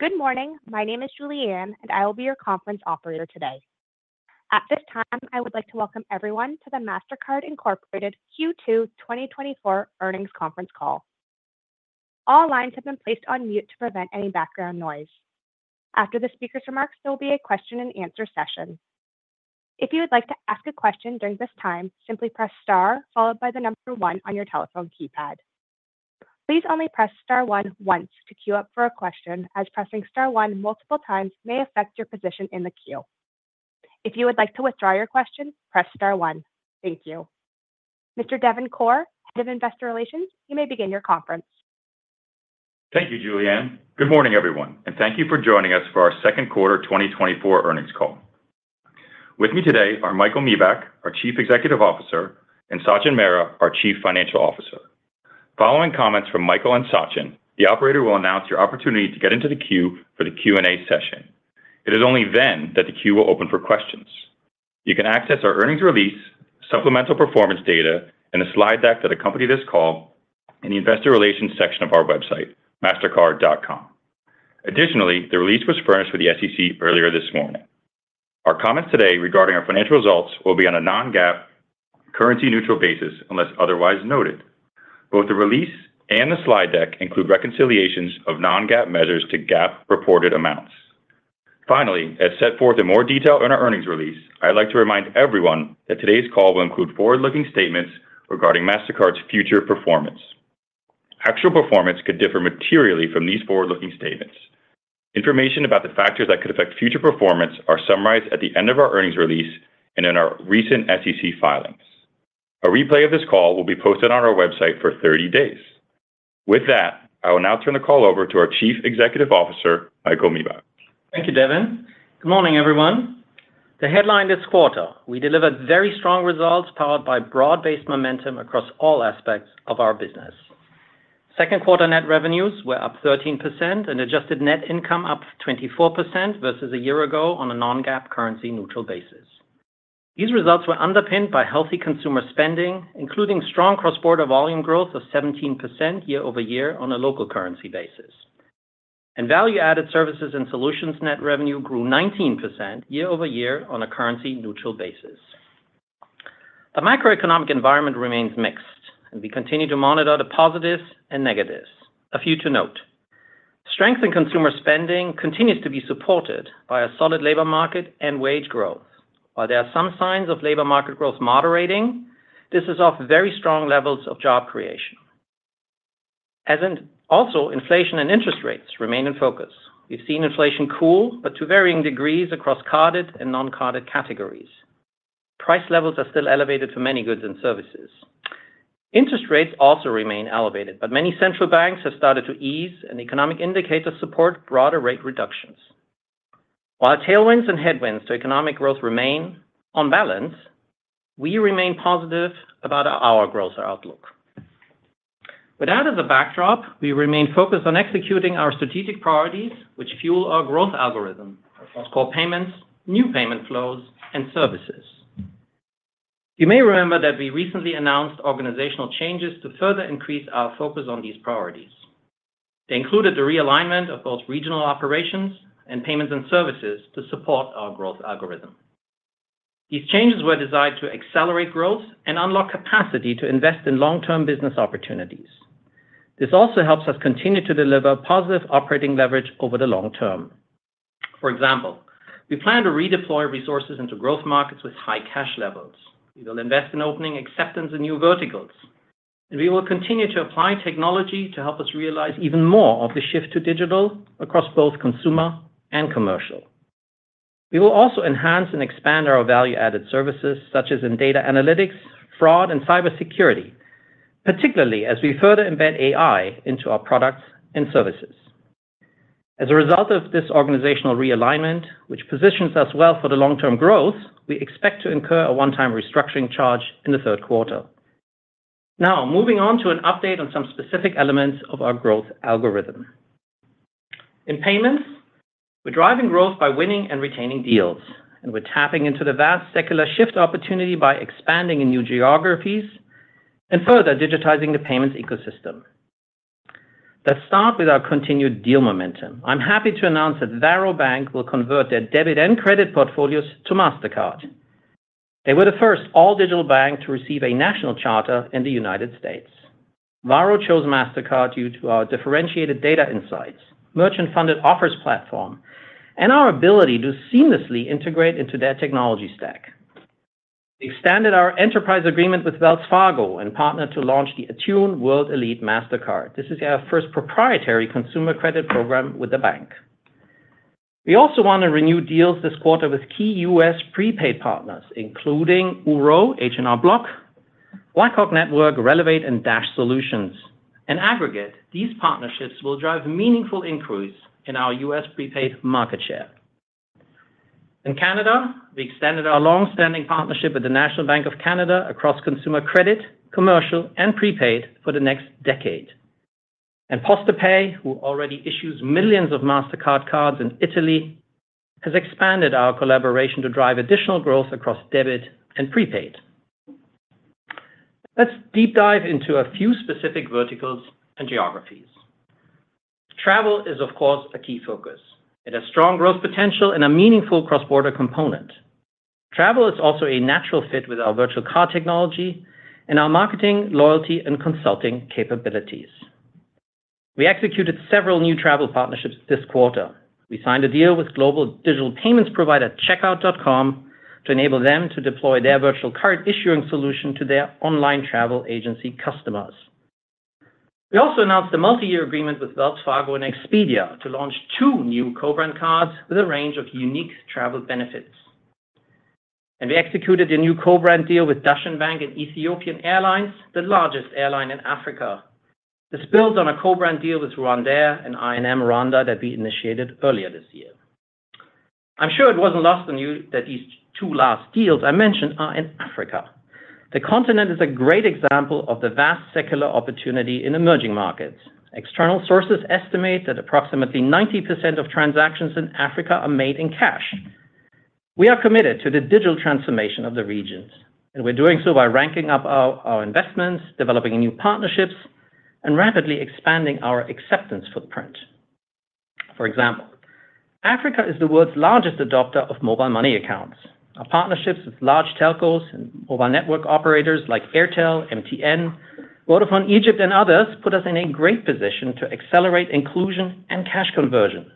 Good morning. My name is Julianne, and I will be your conference operator today. At this time, I would like to welcome everyone to the Mastercard Incorporated Q2 2024 Earnings Conference Call. All lines have been placed on mute to prevent any background noise. After the speaker's remarks, there will be a question-and-answer session. If you would like to ask a question during this time, simply press star, followed by the number one on your telephone keypad. Please only press star one once to queue up for a question, as pressing star one multiple times may affect your position in the queue. If you would like to withdraw your question, press star one. Thank you. Mr. Devin Corr, Head of Investor Relations, you may begin your conference. Thank you, Julianne. Good morning, everyone, and thank you for joining us for our second quarter 2024 earnings call. With me today are Michael Miebach, our Chief Executive Officer, and Sachin Mehra, our Chief Financial Officer. Following comments from Michael and Sachin, the operator will announce your opportunity to get into the queue for the Q&A session. It is only then that the queue will open for questions. You can access our earnings release, supplemental performance data, and a slide deck that accompany this call in the Investor Relations section of our website, Mastercard.com. Additionally, the release was furnished with the SEC earlier this morning. Our comments today regarding our financial results will be on a non-GAAP, currency-neutral basis, unless otherwise noted. Both the release and the slide deck include reconciliations of non-GAAP measures to GAAP reported amounts. Finally, as set forth in more detail in our earnings release, I'd like to remind everyone that today's call will include forward-looking statements regarding Mastercard's future performance. Actual performance could differ materially from these forward-looking statements. Information about the factors that could affect future performance are summarized at the end of our earnings release and in our recent SEC filings. A replay of this call will be posted on our website for 30 days. With that, I will now turn the call over to our Chief Executive Officer, Michael Miebach. Thank you, Devin. Good morning, everyone. The headline this quarter, we delivered very strong results, powered by broad-based momentum across all aspects of our business. Second quarter net revenues were up 13% and adjusted net income up 24% versus a year ago on a non-GAAP currency-neutral basis. These results were underpinned by healthy consumer spending, including strong cross-border volume growth of 17% year-over-year on a local currency basis. Value-added services and solutions net revenue grew 19% year-over-year on a currency-neutral basis. The macroeconomic environment remains mixed, and we continue to monitor the positives and negatives. A few to note: strength in consumer spending continues to be supported by a solid labor market and wage growth. While there are some signs of labor market growth moderating, this is off very strong levels of job creation. Also, inflation and interest rates remain in focus. We've seen inflation cool, but to varying degrees across carded and non-carded categories. Price levels are still elevated for many goods and services. Interest rates also remain elevated, but many central banks have started to ease, and economic indicators support broader rate reductions. While tailwinds and headwinds to economic growth remain on balance, we remain positive about our growth outlook. With that as a backdrop, we remain focused on executing our strategic priorities, which fuel our growth algorithm: core payments, new payment flows, and services. You may remember that we recently announced organizational changes to further increase our focus on these priorities. They included the realignment of both regional operations and payments and services to support our growth algorithm. These changes were designed to accelerate growth and unlock capacity to invest in long-term business opportunities. This also helps us continue to deliver positive operating leverage over the long term. For example, we plan to redeploy resources into growth markets with high cash levels. We will invest in opening acceptance in new verticals. And we will continue to apply technology to help us realize even more of the shift to digital across both consumer and commercial. We will also enhance and expand our value-added services, such as in data analytics, fraud, and cybersecurity, particularly as we further embed AI into our products and services. As a result of this organizational realignment, which positions us well for the long-term growth, we expect to incur a one-time restructuring charge in the third quarter. Now, moving on to an update on some specific elements of our growth algorithm. In payments, we're driving growth by winning and retaining deals, and we're tapping into the vast secular shift opportunity by expanding in new geographies and further digitizing the payments ecosystem. Let's start with our continued deal momentum. I'm happy to announce that Varo Bank will convert their debit and credit portfolios to Mastercard. They were the first all-digital bank to receive a national charter in the United States. Varo chose Mastercard due to our differentiated data insights, merchant-funded offers platform, and our ability to seamlessly integrate into their technology stack. We extended our enterprise agreement with Wells Fargo and partnered to launch the Attune World Elite Mastercard. This is our first proprietary consumer credit program with the bank. We also won the renewed deals this quarter with key U.S. prepaid partners, including Ouro, H&R Block, Blackhawk Network, Rellevate, and Dash Solutions. In aggregate, these partnerships will drive meaningful increase in our U.S. prepaid market share. In Canada, we extended our long-standing partnership with the National Bank of Canada across consumer credit, commercial, and prepaid for the next decade. PostePay, who already issues millions of Mastercard cards in Italy, has expanded our collaboration to drive additional growth across debit and prepaid. Let's deep dive into a few specific verticals and geographies. Travel is, of course, a key focus. It has strong growth potential and a meaningful cross-border component. Travel is also a natural fit with our virtual card technology and our marketing, loyalty, and consulting capabilities. We executed several new travel partnerships this quarter. We signed a deal with global digital payments provider Checkout.com to enable them to deploy their virtual card issuing solution to their online travel agency customers. We also announced a multi-year agreement with Wells Fargo and Expedia to launch two new co-brand cards with a range of unique travel benefits. And we executed a new co-brand deal with Dashen Bank and Ethiopian Airlines, the largest airline in Africa. This builds on a co-brand deal with RwandAir and I&M Rwanda that we initiated earlier this year. I'm sure it wasn't lost on you that these two last deals I mentioned are in Africa. The continent is a great example of the vast secular opportunity in emerging markets. External sources estimate that approximately 90% of transactions in Africa are made in cash. We are committed to the digital transformation of the regions, and we're doing so by ramping up our investments, developing new partnerships, and rapidly expanding our acceptance footprint. For example, Africa is the world's largest adopter of mobile money accounts. Our partnerships with large telcos and mobile network operators like Airtel, MTN, Vodafone Egypt, and others, put us in a great position to accelerate inclusion and cash conversion.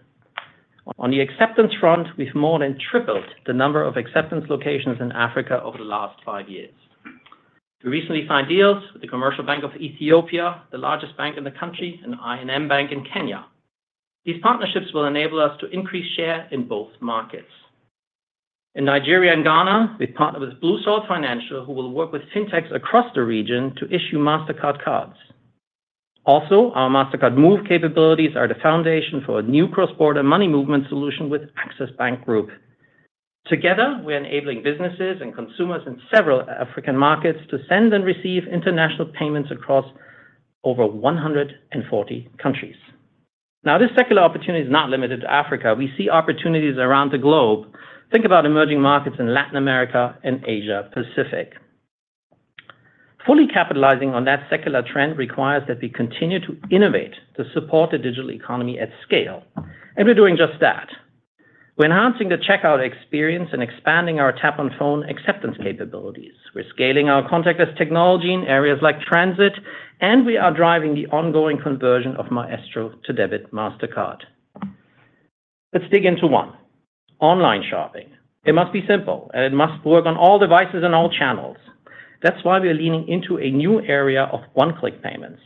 On the acceptance front, we've more than tripled the number of acceptance locations in Africa over the last five years. We recently signed deals with the Commercial Bank of Ethiopia, the largest bank in the country, and I&M Bank in Kenya. These partnerships will enable us to increase share in both markets. In Nigeria and Ghana, we've partnered with Boost, who will work with fintechs across the region to issue Mastercard cards. Also, our Mastercard Move capabilities are the foundation for a new cross-border money movement solution with Access Bank Group. Together, we're enabling businesses and consumers in several African markets to send and receive international payments across over 140 countries. Now, this secular opportunity is not limited to Africa. We see opportunities around the globe. Think about emerging markets in Latin America and Asia Pacific. Fully capitalizing on that secular trend requires that we continue to innovate to support the digital economy at scale, and we're doing just that. We're enhancing the checkout experience and expanding our Tap on Phone acceptance capabilities. We're scaling our contactless technology in areas like transit, and we are driving the ongoing conversion of Maestro to Debit Mastercard. Let's dig into one, online shopping. It must be simple, and it must work on all devices and all channels. That's why we are leaning into a new area of one-click payments.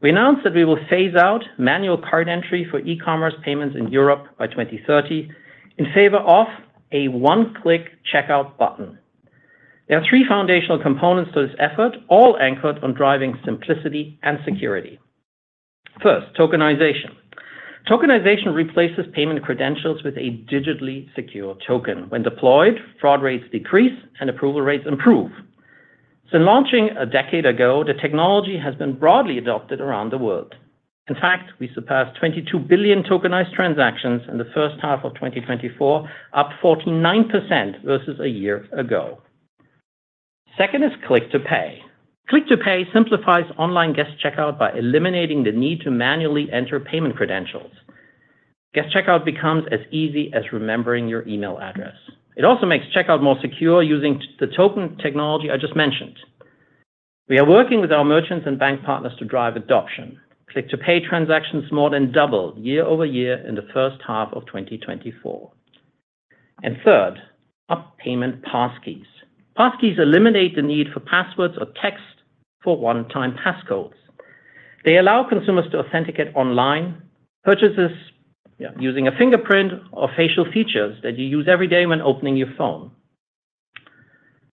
We announced that we will phase out manual card entry for e-commerce payments in Europe by 2030 in favor of a one-click checkout button. There are three foundational components to this effort, all anchored on driving simplicity and security. First, tokenization. Tokenization replaces payment credentials with a digitally secure token. When deployed, fraud rates decrease and approval rates improve. Since launching a decade ago, the technology has been broadly adopted around the world. In fact, we surpassed 22 billion tokenized transactions in the first half of 2024, up 49% versus a year ago. Second is Click to Pay. Click to Pay simplifies online guest checkout by eliminating the need to manually enter payment credentials. Guest checkout becomes as easy as remembering your email address. It also makes checkout more secure using the token technology I just mentioned. We are working with our merchants and bank partners to drive adoption. Click to Pay transactions more than doubled year-over-year in the first half of 2024. And third, Payment Passkeys. Passkeys eliminate the need for passwords or text for one-time passcodes. They allow consumers to authenticate online purchases, yeah, using a fingerprint or facial features that you use every day when opening your phone.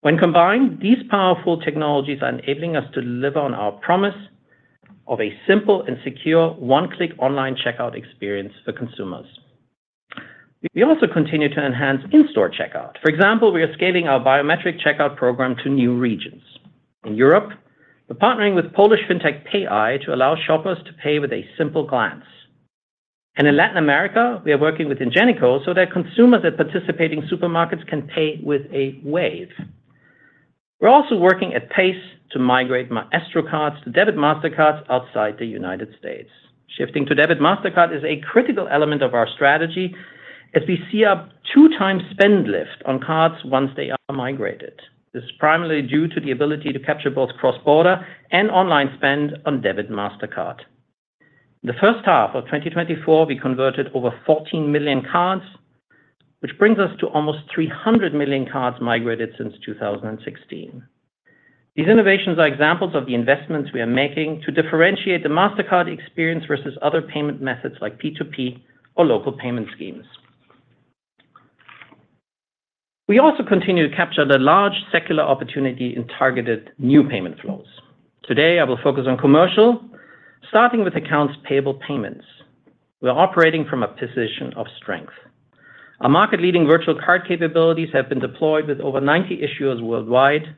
When combined, these powerful technologies are enabling us to deliver on our promise of a simple and secure one-click online checkout experience for consumers. We also continue to enhance in-store checkout. For example, we are scaling our biometric checkout program to new regions. In Europe, we're partnering with Polish Fintech PayEye to allow shoppers to pay with a simple glance. And in Latin America, we are working with Ingenico so that consumers at participating supermarkets can pay with a wave. We're also working at pace to migrate Maestro cards to Debit Mastercards outside the United States. Shifting to Debit Mastercard is a critical element of our strategy as we see a 2x spend lift on cards once they are migrated. This is primarily due to the ability to capture both cross-border and online spend on Debit Mastercard. In the first half of 2024, we converted over 14 million cards, which brings us to almost 300 million cards migrated since 2016. These innovations are examples of the investments we are making to differentiate the Mastercard experience versus other payment methods like P2P or local payment schemes. We also continue to capture the large secular opportunity in targeted new payment flows. Today, I will focus on commercial, starting with accounts payable payments. We are operating from a position of strength. Our market-leading virtual card capabilities have been deployed with over 90 issuers worldwide.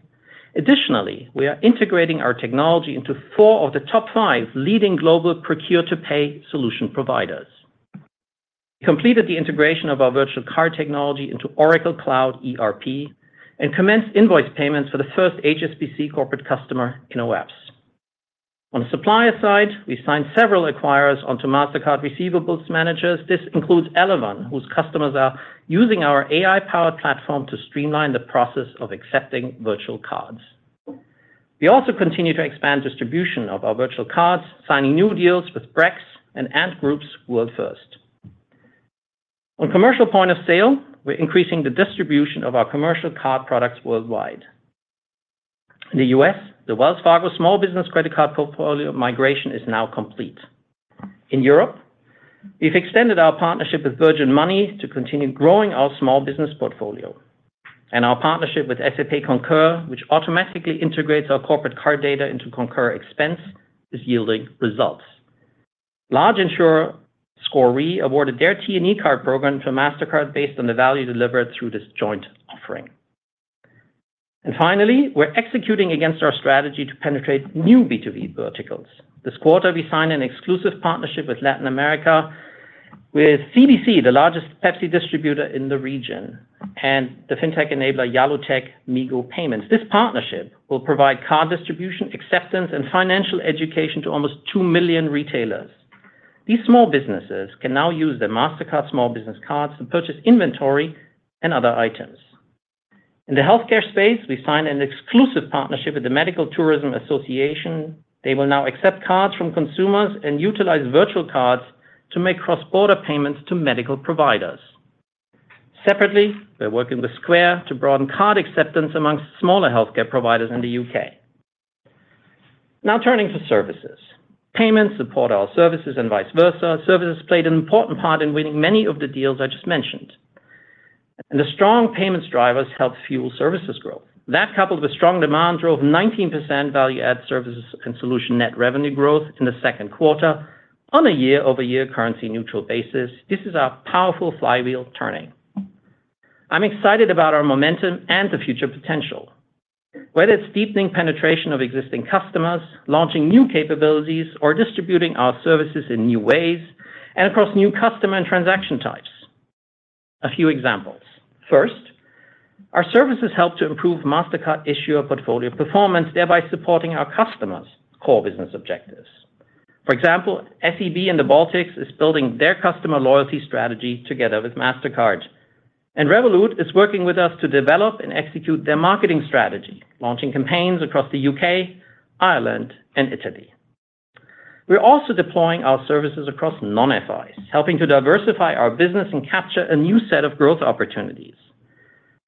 Additionally, we are integrating our technology into four of the top five leading global procure to pay solution providers. We completed the integration of our virtual card technology into Oracle Cloud ERP, and commenced invoice payments for the first HSBC corporate customer in our apps. On the supplier side, we signed several acquirers onto Mastercard Receivables Manager. This includes Elavon, whose customers are using our AI-powered platform to streamline the process of accepting virtual cards. We also continue to expand distribution of our virtual cards, signing new deals with Brex and Ant Group's WorldFirst. On commercial point of sale, we're increasing the distribution of our commercial card products worldwide. In the U.S., the Wells Fargo small business credit card portfolio migration is now complete. In Europe, we've extended our partnership with Virgin Money to continue growing our small business portfolio. And our partnership with SAP Concur, which automatically integrates our corporate card data into Concur Expense, is yielding results. Large insurer SCOR SE awarded their T&E card program to Mastercard based on the value delivered through this joint offering. And finally, we're executing against our strategy to penetrate new B2B verticals. This quarter, we signed an exclusive partnership with Latin America, with CBC, the largest Pepsi distributor in the region, and the fintech enabler, YalloTech Migo payments. This partnership will provide card distribution, acceptance, and financial education to almost 2 million retailers. These small businesses can now use their Mastercard small business cards to purchase inventory and other items. In the healthcare space, we signed an exclusive partnership with the Medical Tourism Association. They will now accept cards from consumers and utilize virtual cards to make cross-border payments to medical providers. Separately, we're working with Square to broaden card acceptance among smaller healthcare providers in the U.K. Now turning to services. Payments support our services and vice versa. Services played an important part in winning many of the deals I just mentioned, and the strong payments drivers helped fuel services growth. That, coupled with strong demand, drove 19% value-added services and solutions net revenue growth in the second quarter on a year-over-year currency-neutral basis. This is our powerful flywheel turning. I'm excited about our momentum and the future potential, whether it's deepening penetration of existing customers, launching new capabilities, or distributing our services in new ways, and across new customer and transaction types. A few examples. First, our services help to improve Mastercard issuer portfolio performance, thereby supporting our customers' core business objectives. For example, SEB in the Baltics is building their customer loyalty strategy together with Mastercard, and Revolut is working with us to develop and execute their marketing strategy, launching campaigns across the U.K., Ireland, and Italy. We're also deploying our services across non-FIs, helping to diversify our business and capture a new set of growth opportunities.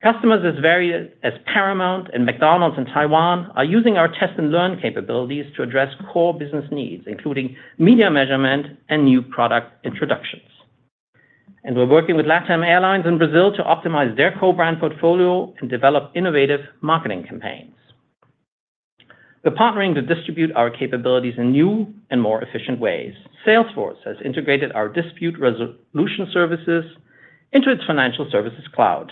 Customers as varied as Paramount and McDonald's in Taiwan are using our test and learn capabilities to address core business needs, including media measurement and new product introductions. And we're working with LATAM Airlines in Brazil to optimize their co-brand portfolio and develop innovative marketing campaigns. We're partnering to distribute our capabilities in new and more efficient ways. Salesforce has integrated our dispute resolution services into its Financial Services Cloud.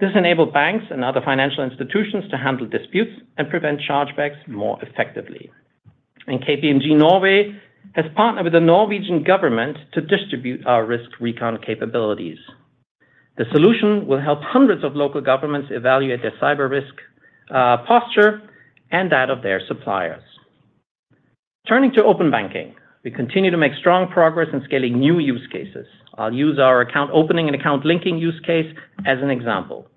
This enabled banks and other financial institutions to handle disputes and prevent chargebacks more effectively. KPMG Norway has partnered with the Norwegian government to distribute our RiskRecon capabilities. The solution will help hundreds of local governments evaluate their cyber risk posture and that of their suppliers. Turning to open banking, we continue to make strong progress in scaling new use cases. I'll use our account opening and account linking use case as an example.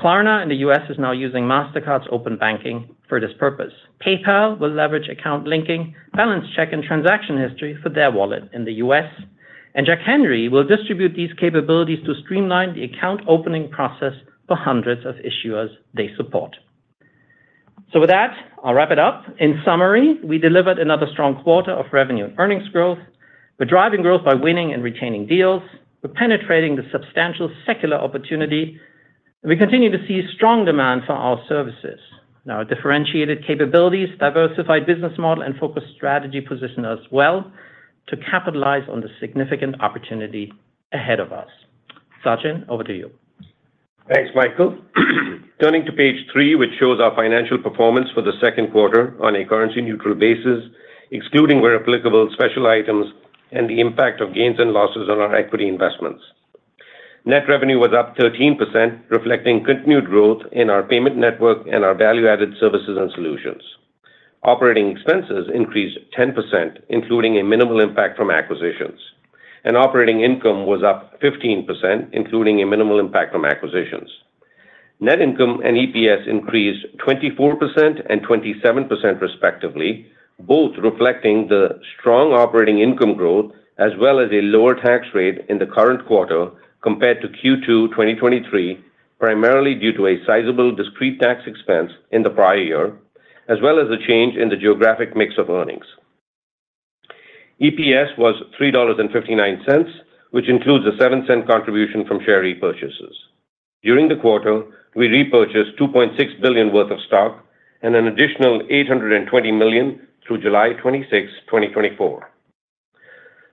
Klarna in the U.S. is now using Mastercard's open banking for this purpose. PayPal will leverage account linking, balance check, and transaction history for their wallet in the U.S., and Jack Henry will distribute these capabilities to streamline the account opening process for hundreds of issuers they support. So with that, I'll wrap it up. In summary, we delivered another strong quarter of revenue and earnings growth. We're driving growth by winning and retaining deals. We're penetrating the substantial secular opportunity, and we continue to see strong demand for our services. Now, our differentiated capabilities, diversified business model, and focused strategy position us well to capitalize on the significant opportunity ahead of us. Sachin, over to you. Thanks, Michael. Turning to page three, which shows our financial performance for the second quarter on a currency-neutral basis, excluding, where applicable, special items and the impact of gains and losses on our equity investments. Net revenue was up 13%, reflecting continued growth in our payment network and our value-added services and solutions. Operating expenses increased 10%, including a minimal impact from acquisitions. Operating income was up 15%, including a minimal impact from acquisitions. Net income and EPS increased 24% and 27%, respectively, both reflecting the strong operating income growth, as well as a lower tax rate in the current quarter compared to Q2 2023, primarily due to a sizable discrete tax expense in the prior year, as well as a change in the geographic mix of earnings. EPS was $3.59, which includes a $0.07 contribution from share repurchases. During the quarter, we repurchased $2.6 billion worth of stock and an additional $820 million through July 26, 2024.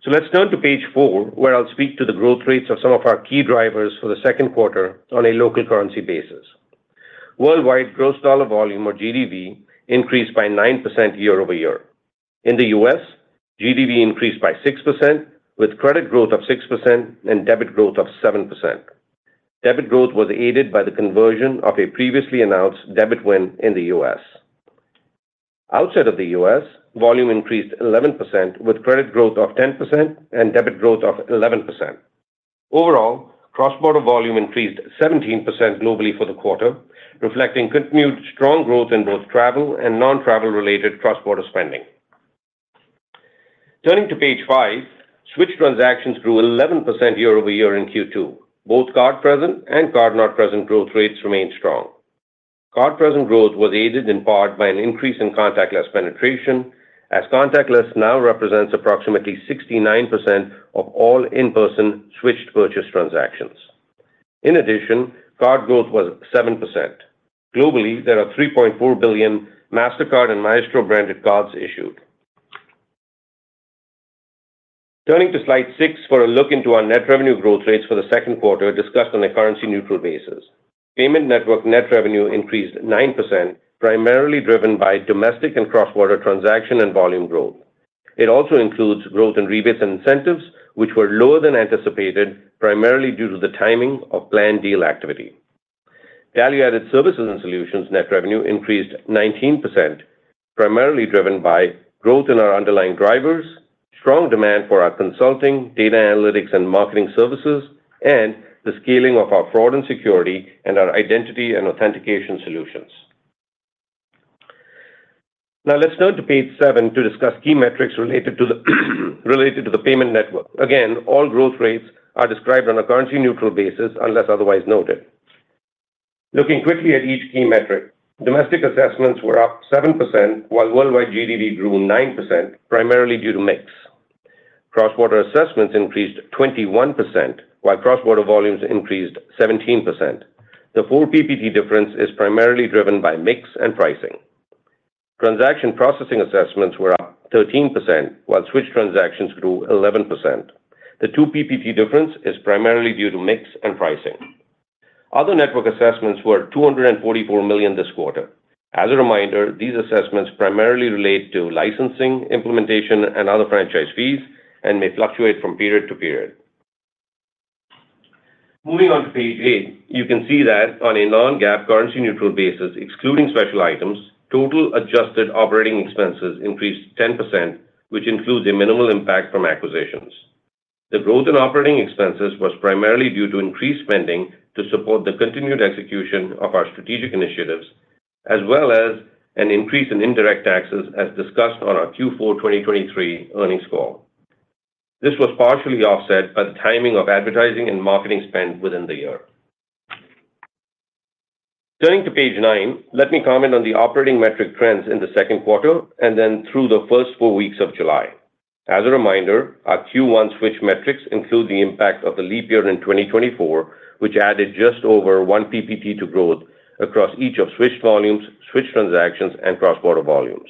So let's turn to page four, where I'll speak to the growth rates of some of our key drivers for the second quarter on a local currency basis. Worldwide gross dollar volume, or GDV, increased by 9% year-over-year. In the U.S., GDV increased by 6%, with credit growth of 6% and debit growth of 7%. Debit growth was aided by the conversion of a previously announced debit win in the U.S.. Outside of the U.S., volume increased 11%, with credit growth of 10% and debit growth of 11%. Overall, cross-border volume increased 17% globally for the quarter, reflecting continued strong growth in both travel and non-travel related cross-border spending. Turning to page five, switched transactions grew 11% year-over-year in Q2. Both card-present and card-not-present growth rates remained strong. Card-present growth was aided in part by an increase in contactless penetration, as contactless now represents approximately 69% of all in-person switched purchase transactions. In addition, card growth was 7%. Globally, there are 3.4 billion Mastercard and Maestro-branded cards issued. Turning to slide 6 for a look into our net revenue growth rates for the second quarter, discussed on a currency-neutral basis. Payment network net revenue increased 9%, primarily driven by domestic and cross-border transaction and volume growth. It also includes growth in rebates and incentives, which were lower than anticipated, primarily due to the timing of planned deal activity. Value-added services and solutions net revenue increased 19%, primarily driven by growth in our underlying drivers, strong demand for our consulting, data analytics, and marketing services, and the scaling of our fraud and security and our identity and authentication solutions. Now let's turn to page seven to discuss key metrics related to the payment network. Again, all growth rates are described on a currency-neutral basis unless otherwise noted. Looking quickly at each key metric, domestic assessments were up 7%, while worldwide GDV grew 9%, primarily due to mix. Cross-border assessments increased 21%, while cross-border volumes increased 17%. The 4 PPT difference is primarily driven by mix and pricing. Transaction processing assessments were up 13%, while switch transactions grew 11%. The 2 PPT difference is primarily due to mix and pricing. Other network assessments were $244 million this quarter. As a reminder, these assessments primarily relate to licensing, implementation, and other franchise fees, and may fluctuate from period to period. Moving on to page eight, you can see that on a non-GAAP currency neutral basis, excluding special items, total adjusted operating expenses increased 10%, which includes a minimal impact from acquisitions. The growth in operating expenses was primarily due to increased spending to support the continued execution of our strategic initiatives, as well as an increase in indirect taxes, as discussed on our Q4 2023 earnings call. This was partially offset by the timing of advertising and marketing spend within the year. Turning to page nine, let me comment on the operating metric trends in the second quarter and then through the first 4 weeks of July. As a reminder, our Q1 switch metrics include the impact of the leap year in 2024, which added just over 1 PPT to growth across each of switched volumes, switched transactions, and cross-border volumes.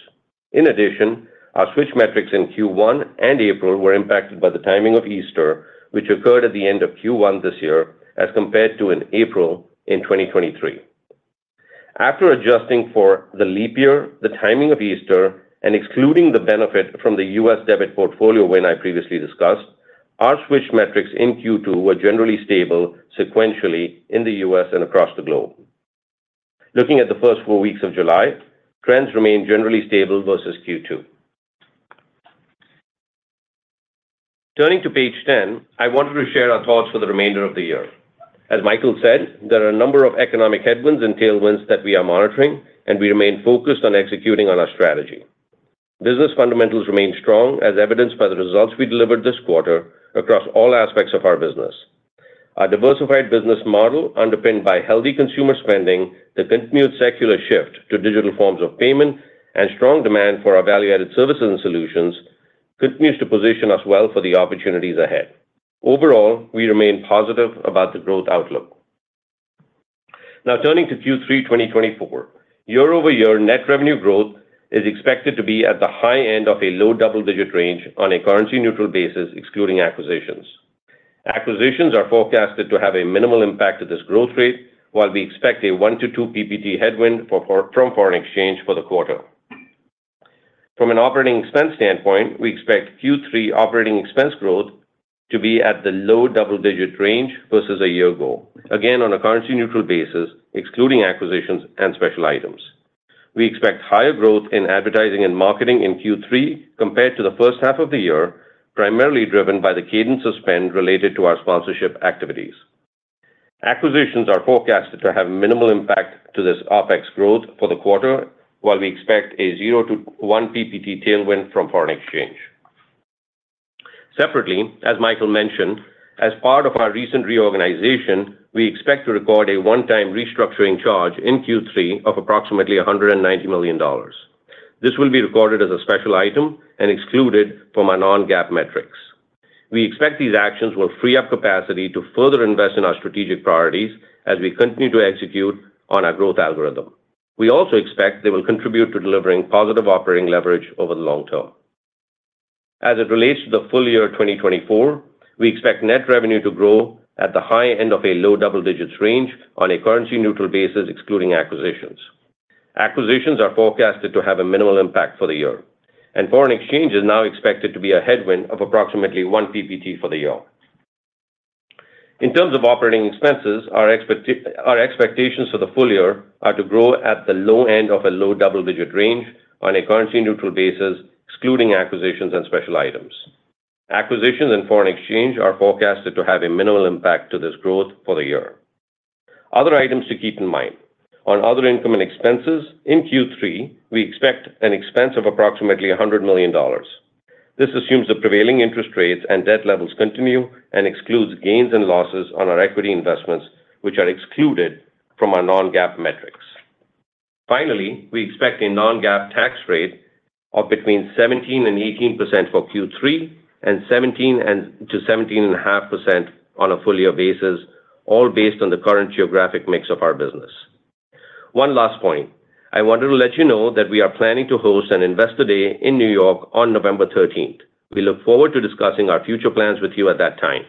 In addition, our switched metrics in Q1 and April were impacted by the timing of Easter, which occurred at the end of Q1 this year as compared to in April in 2023. After adjusting for the leap year, the timing of Easter, and excluding the benefit from the U.S. debit portfolio win I previously discussed, our switch metrics in Q2 were generally stable sequentially in the U.S. and across the globe. Looking at the first four weeks of July, trends remained generally stable versus Q2. Turning to page 10, I wanted to share our thoughts for the remainder of the year. As Michael said, there are a number of economic headwinds and tailwinds that we are monitoring, and we remain focused on executing on our strategy. Business fundamentals remain strong, as evidenced by the results we delivered this quarter across all aspects of our business. Our diversified business model, underpinned by healthy consumer spending, the continued secular shift to digital forms of payment, and strong demand for our value-added services and solutions, continues to position us well for the opportunities ahead. Overall, we remain positive about the growth outlook. Now, turning to Q3 2024. Year-over-year net revenue growth is expected to be at the high end of a low double-digit range on a currency-neutral basis, excluding acquisitions. Acquisitions are forecasted to have a minimal impact to this growth rate, while we expect a one to two PPT headwind from foreign exchange for the quarter. From an operating expense standpoint, we expect Q3 operating expense growth to be at the low double-digit range versus a year ago. Again, on a currency-neutral basis, excluding acquisitions and special items. We expect higher growth in advertising and marketing in Q3 compared to the first half of the year, primarily driven by the cadence of spend related to our sponsorship activities. Acquisitions are forecasted to have minimal impact to this OpEx growth for the quarter, while we expect a zero to one percentage point tailwind from foreign exchange. Separately, as Michael mentioned, as part of our recent reorganization, we expect to record a one-time restructuring charge in Q3 of approximately $190 million. This will be recorded as a special item and excluded from our non-GAAP metrics. We expect these actions will free up capacity to further invest in our strategic priorities as we continue to execute on our growth algorithm. We also expect they will contribute to delivering positive operating leverage over the long term. As it relates to the full year 2024, we expect net revenue to grow at the high end of a low double-digits range on a currency-neutral basis, excluding acquisitions. Acquisitions are forecasted to have a minimal impact for the year, and foreign exchange is now expected to be a headwind of approximately 1 percentage point for the year. In terms of operating expenses, our expectations for the full year are to grow at the low end of a low double-digits range on a currency-neutral basis, excluding acquisitions and special items. Acquisitions and foreign exchange are forecasted to have a minimal impact to this growth for the year. Other items to keep in mind, on other income and expenses, in Q3, we expect an expense of approximately $100 million. This assumes the prevailing interest rates and debt levels continue and excludes gains and losses on our equity investments, which are excluded from our non-GAAP metrics. Finally, we expect a non-GAAP tax rate of between 17%-18% for Q3, and 17%-17.5% on a full-year basis, all based on the current geographic mix of our business. One last point. I wanted to let you know that we are planning to host an Investor Day in New York on November 13th. We look forward to discussing our future plans with you at that time.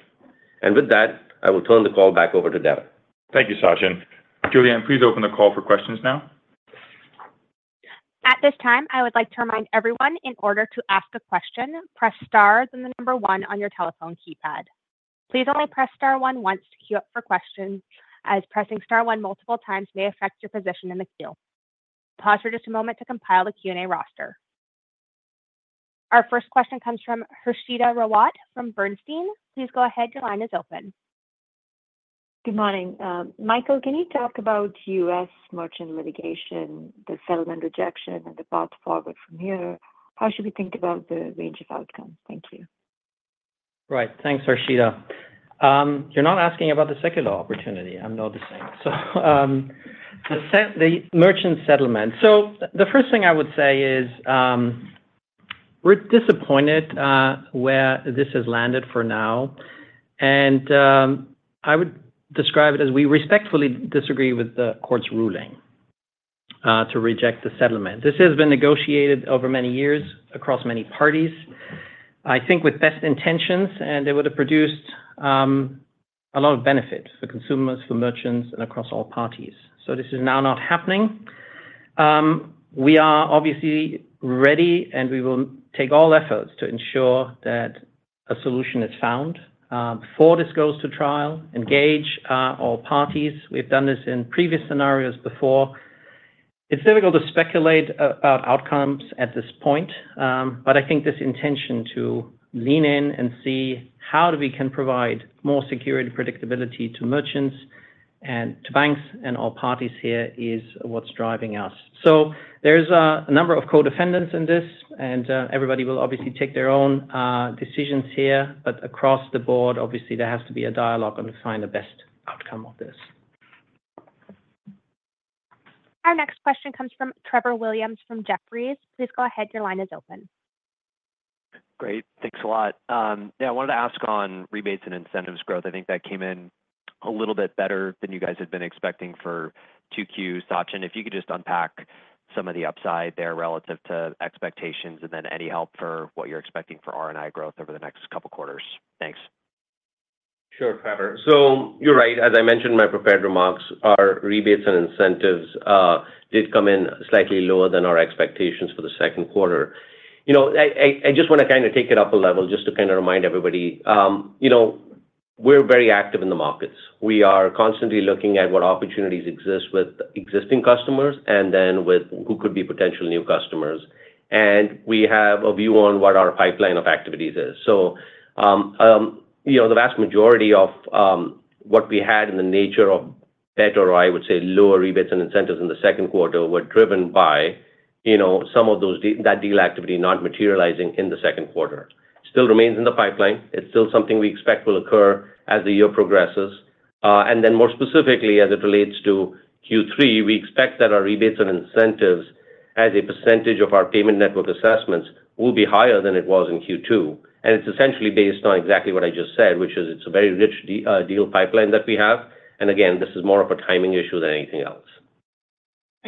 And with that, I will turn the call back over to Devin. Thank you, Sachin. Julianne, please open the call for questions now. At this time, I would like to remind everyone in order to ask a question, press star, then the number one on your telephone keypad. Please only press star one once to queue up for questions, as pressing star one multiple times may affect your position in the queue. Pause for just a moment to compile the Q&A roster. Our first question comes from Harshita Rawat from Bernstein. Please go ahead. Your line is open. Good morning, Michael, can you talk about U.S. merchant litigation, the settlement rejection, and the path forward from here? How should we think about the range of outcomes? Thank you. Right. Thanks, Harshita. You're not asking about the secular opportunity, I'm noticing. So, the merchant settlement. So the first thing I would say is, we're disappointed where this has landed for now, and I would describe it as we respectfully disagree with the court's ruling to reject the settlement. This has been negotiated over many years across many parties, I think, with best intentions, and it would have produced a lot of benefit for consumers, for merchants, and across all parties. So this is now not happening. We are obviously ready, and we will take all efforts to ensure that a solution is found before this goes to trial, engage all parties. We've done this in previous scenarios before. It's difficult to speculate about outcomes at this point, but I think this intention to lean in and see how do we can provide more security and predictability to merchants and to banks and all parties here is what's driving us. So there's a number of co-defendants in this, and everybody will obviously take their own decisions here. But across the board, obviously, there has to be a dialogue on to find the best outcome of this. Our next question comes from Trevor Williams from Jefferies. Please go ahead. Your line is open. Great. Thanks a lot. Yeah, I wanted to ask on rebates and incentives growth. I think that came in a little bit better than you guys had been expecting for 2Qs. Sachin, if you could just unpack some of the upside there relative to expectations, and then any help for what you're expecting for R&I growth over the next couple of quarters? Thanks. Sure, Trevor. So you're right. As I mentioned in my prepared remarks, our rebates and incentives did come in slightly lower than our expectations for the second quarter. You know, I just want to kind of take it up a level just to kind of remind everybody, you know, we're very active in the markets. We are constantly looking at what opportunities exist with existing customers and then with who could be potential new customers. And we have a view on what our pipeline of activities is. So, you know, the vast majority of what we had in the nature of better, or I would say, lower rebates and incentives in the second quarter, were driven by, you know, some of those that deal activity not materializing in the second quarter. Still remains in the pipeline. It's still something we expect will occur as the year progresses. And then more specifically, as it relates to Q3, we expect that our rebates and incentives, as a percentage of our payment network assessments, will be higher than it was in Q2. And it's essentially based on exactly what I just said, which is it's a very rich deal pipeline that we have. And again, this is more of a timing issue than anything else.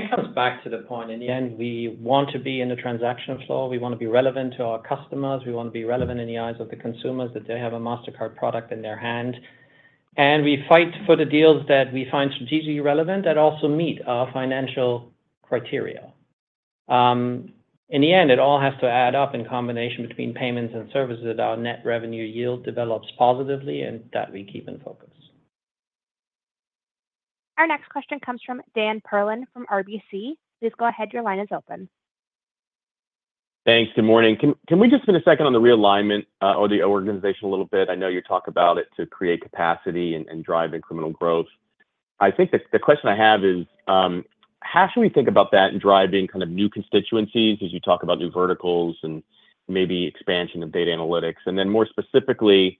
It comes back to the point. In the end, we want to be in the transaction flow. We want to be relevant to our customers. We want to be relevant in the eyes of the consumers, that they have a Mastercard product in their hand. We fight for the deals that we find strategically relevant and also meet our financial criteria. In the end, it all has to add up in combination between payments and services that our net revenue yield develops positively and that we keep in focus. Our next question comes from Dan Perlin from RBC. Please go ahead. Your line is open. Thanks. Good morning. Can we just spend a second on the realignment or the organization a little bit? I know you talk about it to create capacity and drive incremental growth. I think the question I have is, how should we think about that in driving kind of new constituencies as you talk about new verticals and maybe expansion of data analytics? And then more specifically,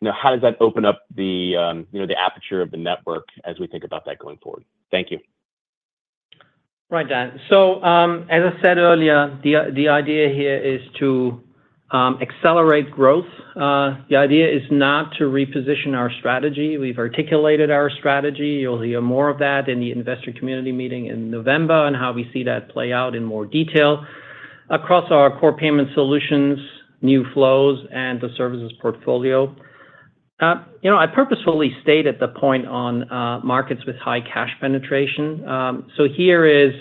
you know, how does that open up the aperture of the network as we think about that going forward? Thank you. Right, Dan. So, as I said earlier, the idea here is to accelerate growth. The idea is not to reposition our strategy. We've articulated our strategy. You'll hear more of that in the investor community meeting in November, and how we see that play out in more detail across our core payment solutions, new flows, and the services portfolio.... You know, I purposefully stated the point on markets with high cash penetration. So here is,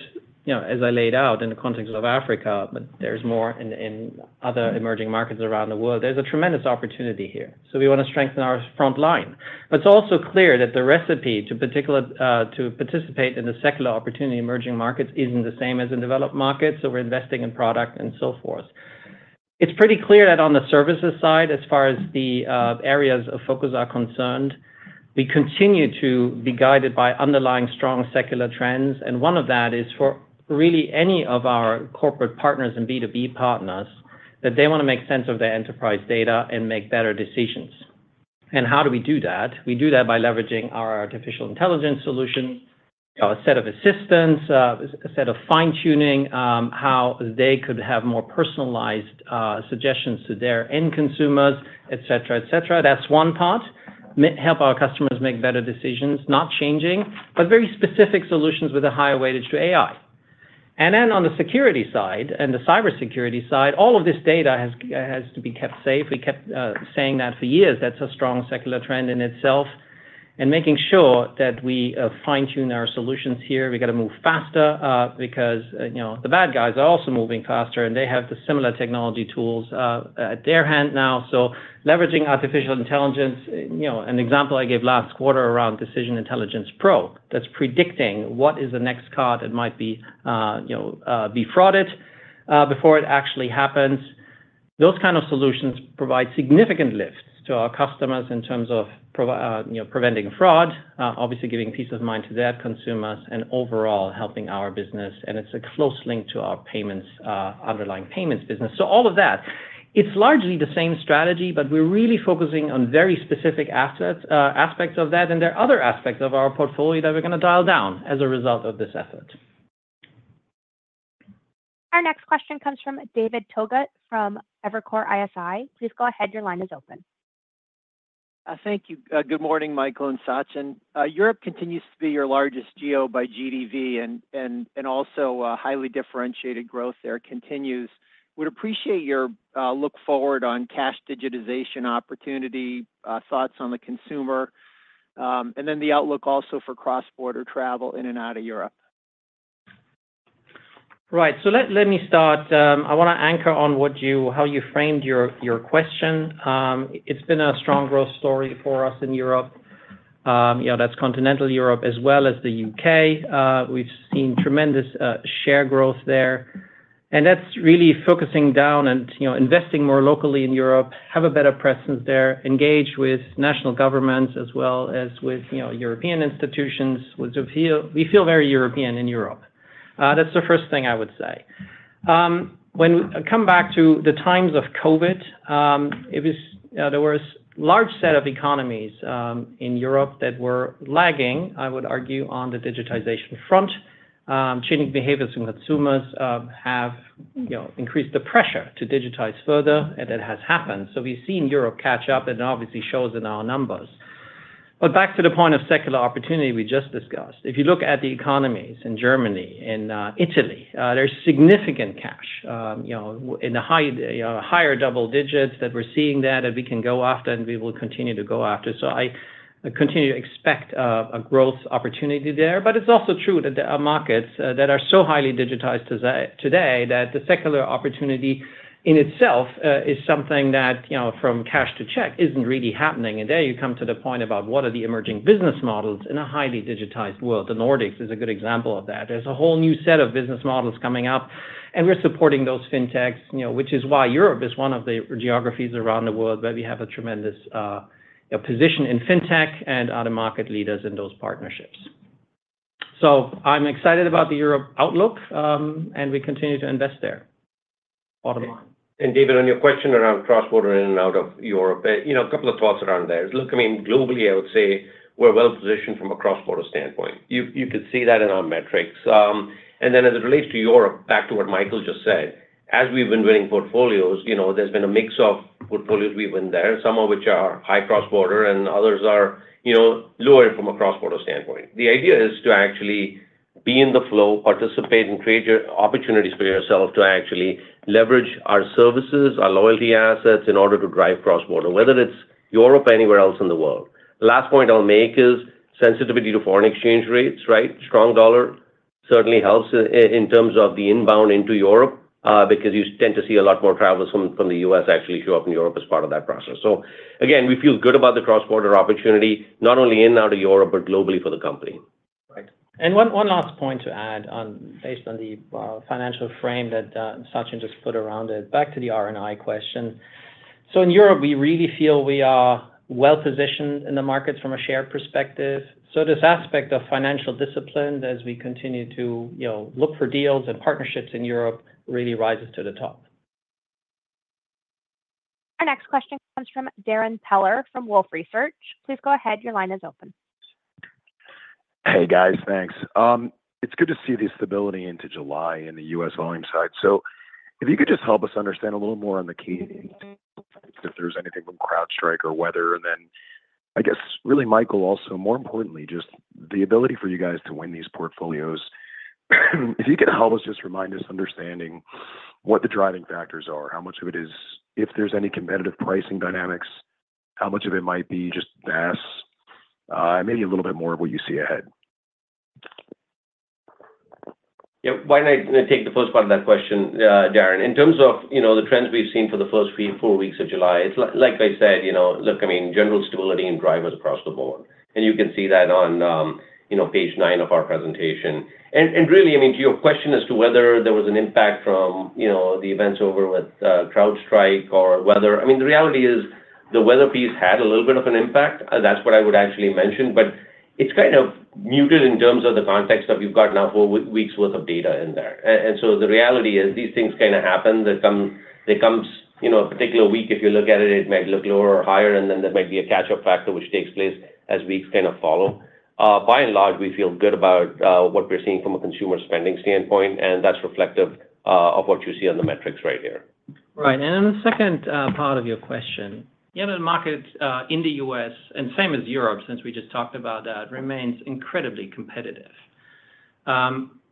you know, as I laid out in the context of Africa, but there's more in other emerging markets around the world. There's a tremendous opportunity here, so we want to strengthen our front line. But it's also clear that the recipe, in particular, to participate in the secular opportunity in emerging markets isn't the same as in developed markets, so we're investing in product and so forth. It's pretty clear that on the services side, as far as the areas of focus are concerned, we continue to be guided by underlying strong secular trends, and one of that is for really any of our corporate partners and B2B partners, that they want to make sense of their enterprise data and make better decisions. And how do we do that? We do that by leveraging our Artificial Intelligence solution, our set of assistance, a set of fine-tuning, how they could have more personalized suggestions to their end consumers, et cetera, et cetera. That's one part. Help our customers make better decisions, not changing, but very specific solutions with a higher weightage to AI. And then on the security side and the cybersecurity side, all of this data has to be kept safe. We kept saying that for years. That's a strong secular trend in itself, and making sure that we fine-tune our solutions here. We got to move faster, because, you know, the bad guys are also moving faster, and they have the similar technology tools at their hand now. So leveraging artificial intelligence, you know, an example I gave last quarter around Decision Intelligence Pro, that's predicting what is the next card that might be, you know, defrauded before it actually happens. Those kind of solutions provide significant lifts to our customers in terms of preventing fraud, you know, obviously giving peace of mind to their consumers and overall helping our business, and it's a close link to our payments underlying payments business. So all of that, it's largely the same strategy, but we're really focusing on very specific assets, aspects of that, and there are other aspects of our portfolio that we're gonna dial down as a result of this effort. Our next question comes from David Togut from Evercore ISI. Please go ahead. Your line is open. Thank you. Good morning, Michael and Sachin. Europe continues to be your largest geo by GDV and also highly differentiated growth there continues. Would appreciate your look forward on cash digitization opportunity, thoughts on the consumer, and then the outlook also for cross-border travel in and out of Europe. Right. So let me start. I wanna anchor on how you framed your question. It's been a strong growth story for us in Europe. You know, that's continental Europe as well as the U.K. We've seen tremendous share growth there, and that's really focusing down and, you know, investing more locally in Europe, have a better presence there, engage with national governments as well as with, you know, European institutions. We feel very European in Europe. That's the first thing I would say. When we come back to the times of COVID, there was large set of economies in Europe that were lagging, I would argue, on the digitization front. Changing behaviors in consumers have, you know, increased the pressure to digitize further, and that has happened. So we've seen Europe catch up, and it obviously shows in our numbers. But back to the point of secular opportunity we just discussed. If you look at the economies in Germany and Italy, there's significant catch-up, you know, in a high, higher double digits, that we're seeing that, and we can go after, and we will continue to go after. So I continue to expect a growth opportunity there. But it's also true that there are markets that are so highly digitized today that the secular opportunity in itself is something that, you know, from cash to digital, isn't really happening. And there you come to the point about what are the emerging business models in a highly digitized world. The Nordics is a good example of that. There's a whole new set of business models coming up, and we're supporting those fintechs, you know, which is why Europe is one of the geographies around the world where we have a tremendous position in fintech and other market leaders in those partnerships. So I'm excited about the Europe outlook, and we continue to invest there. Bottom line. David, on your question around cross-border in and out of Europe, you know, a couple of thoughts around there. Look, I mean, globally, I would say we're well positioned from a cross-border standpoint. You could see that in our metrics. And then as it relates to Europe, back to what Michael just said, as we've been winning portfolios, you know, there's been a mix of portfolios we win there, some of which are high cross-border, and others are, you know, lower from a cross-border standpoint. The idea is to actually be in the flow, participate, and create opportunities for yourself to actually leverage our services, our loyalty assets, in order to drive cross-border, whether it's Europe or anywhere else in the world. The last point I'll make is sensitivity to foreign exchange rates, right? Strong dollar certainly helps in terms of the inbound into Europe, because you tend to see a lot more travelers from the U.S. actually show up in Europe as part of that process. So again, we feel good about the cross-border opportunity, not only in out of Europe, but globally for the company. Right. One last point to add on, based on the financial frame that Sachin just put around it. Back to the R&I question. So in Europe, we really feel we are well-positioned in the market from a share perspective. So this aspect of financial discipline, as we continue to, you know, look for deals and partnerships in Europe, really rises to the top. Our next question comes from Darrin Peller from Wolfe Research. Please go ahead. Your line is open. Hey, guys. Thanks. It's good to see the stability into July in the U.S. volume side. So if you could just help us understand a little more on the key, if there's anything from CrowdStrike or weather, and then I guess, really, Michael, also, more importantly, just the ability for you guys to win these portfolios.... If you could help us, just remind us understanding what the driving factors are, how much of it is, if there's any competitive pricing dynamics, how much of it might be just base? Maybe a little bit more of what you see ahead. Yeah, why don't I take the first part of that question, Darren? In terms of, you know, the trends we've seen for the first three, four weeks of July, it's like I said, you know, look, I mean, general stability and drivers across the board, and you can see that on, you know, page 9 of our presentation. And really, I mean, to your question as to whether there was an impact from, you know, the events over with CrowdStrike or weather. I mean, the reality is the weather piece had a little bit of an impact. That's what I would actually mention, but it's kind of muted in terms of the context of we've got now four weeks worth of data in there. And so the reality is, these things kinda happen. They come, they comes, you know, a particular week, if you look at it, it might look lower or higher, and then there might be a catch-up factor, which takes place as weeks kind of follow. By and large, we feel good about what we're seeing from a consumer spending standpoint, and that's reflective of what you see on the metrics right here. Right. And then the second part of your question, the other market in the U.S., and same as Europe, since we just talked about that, remains incredibly competitive.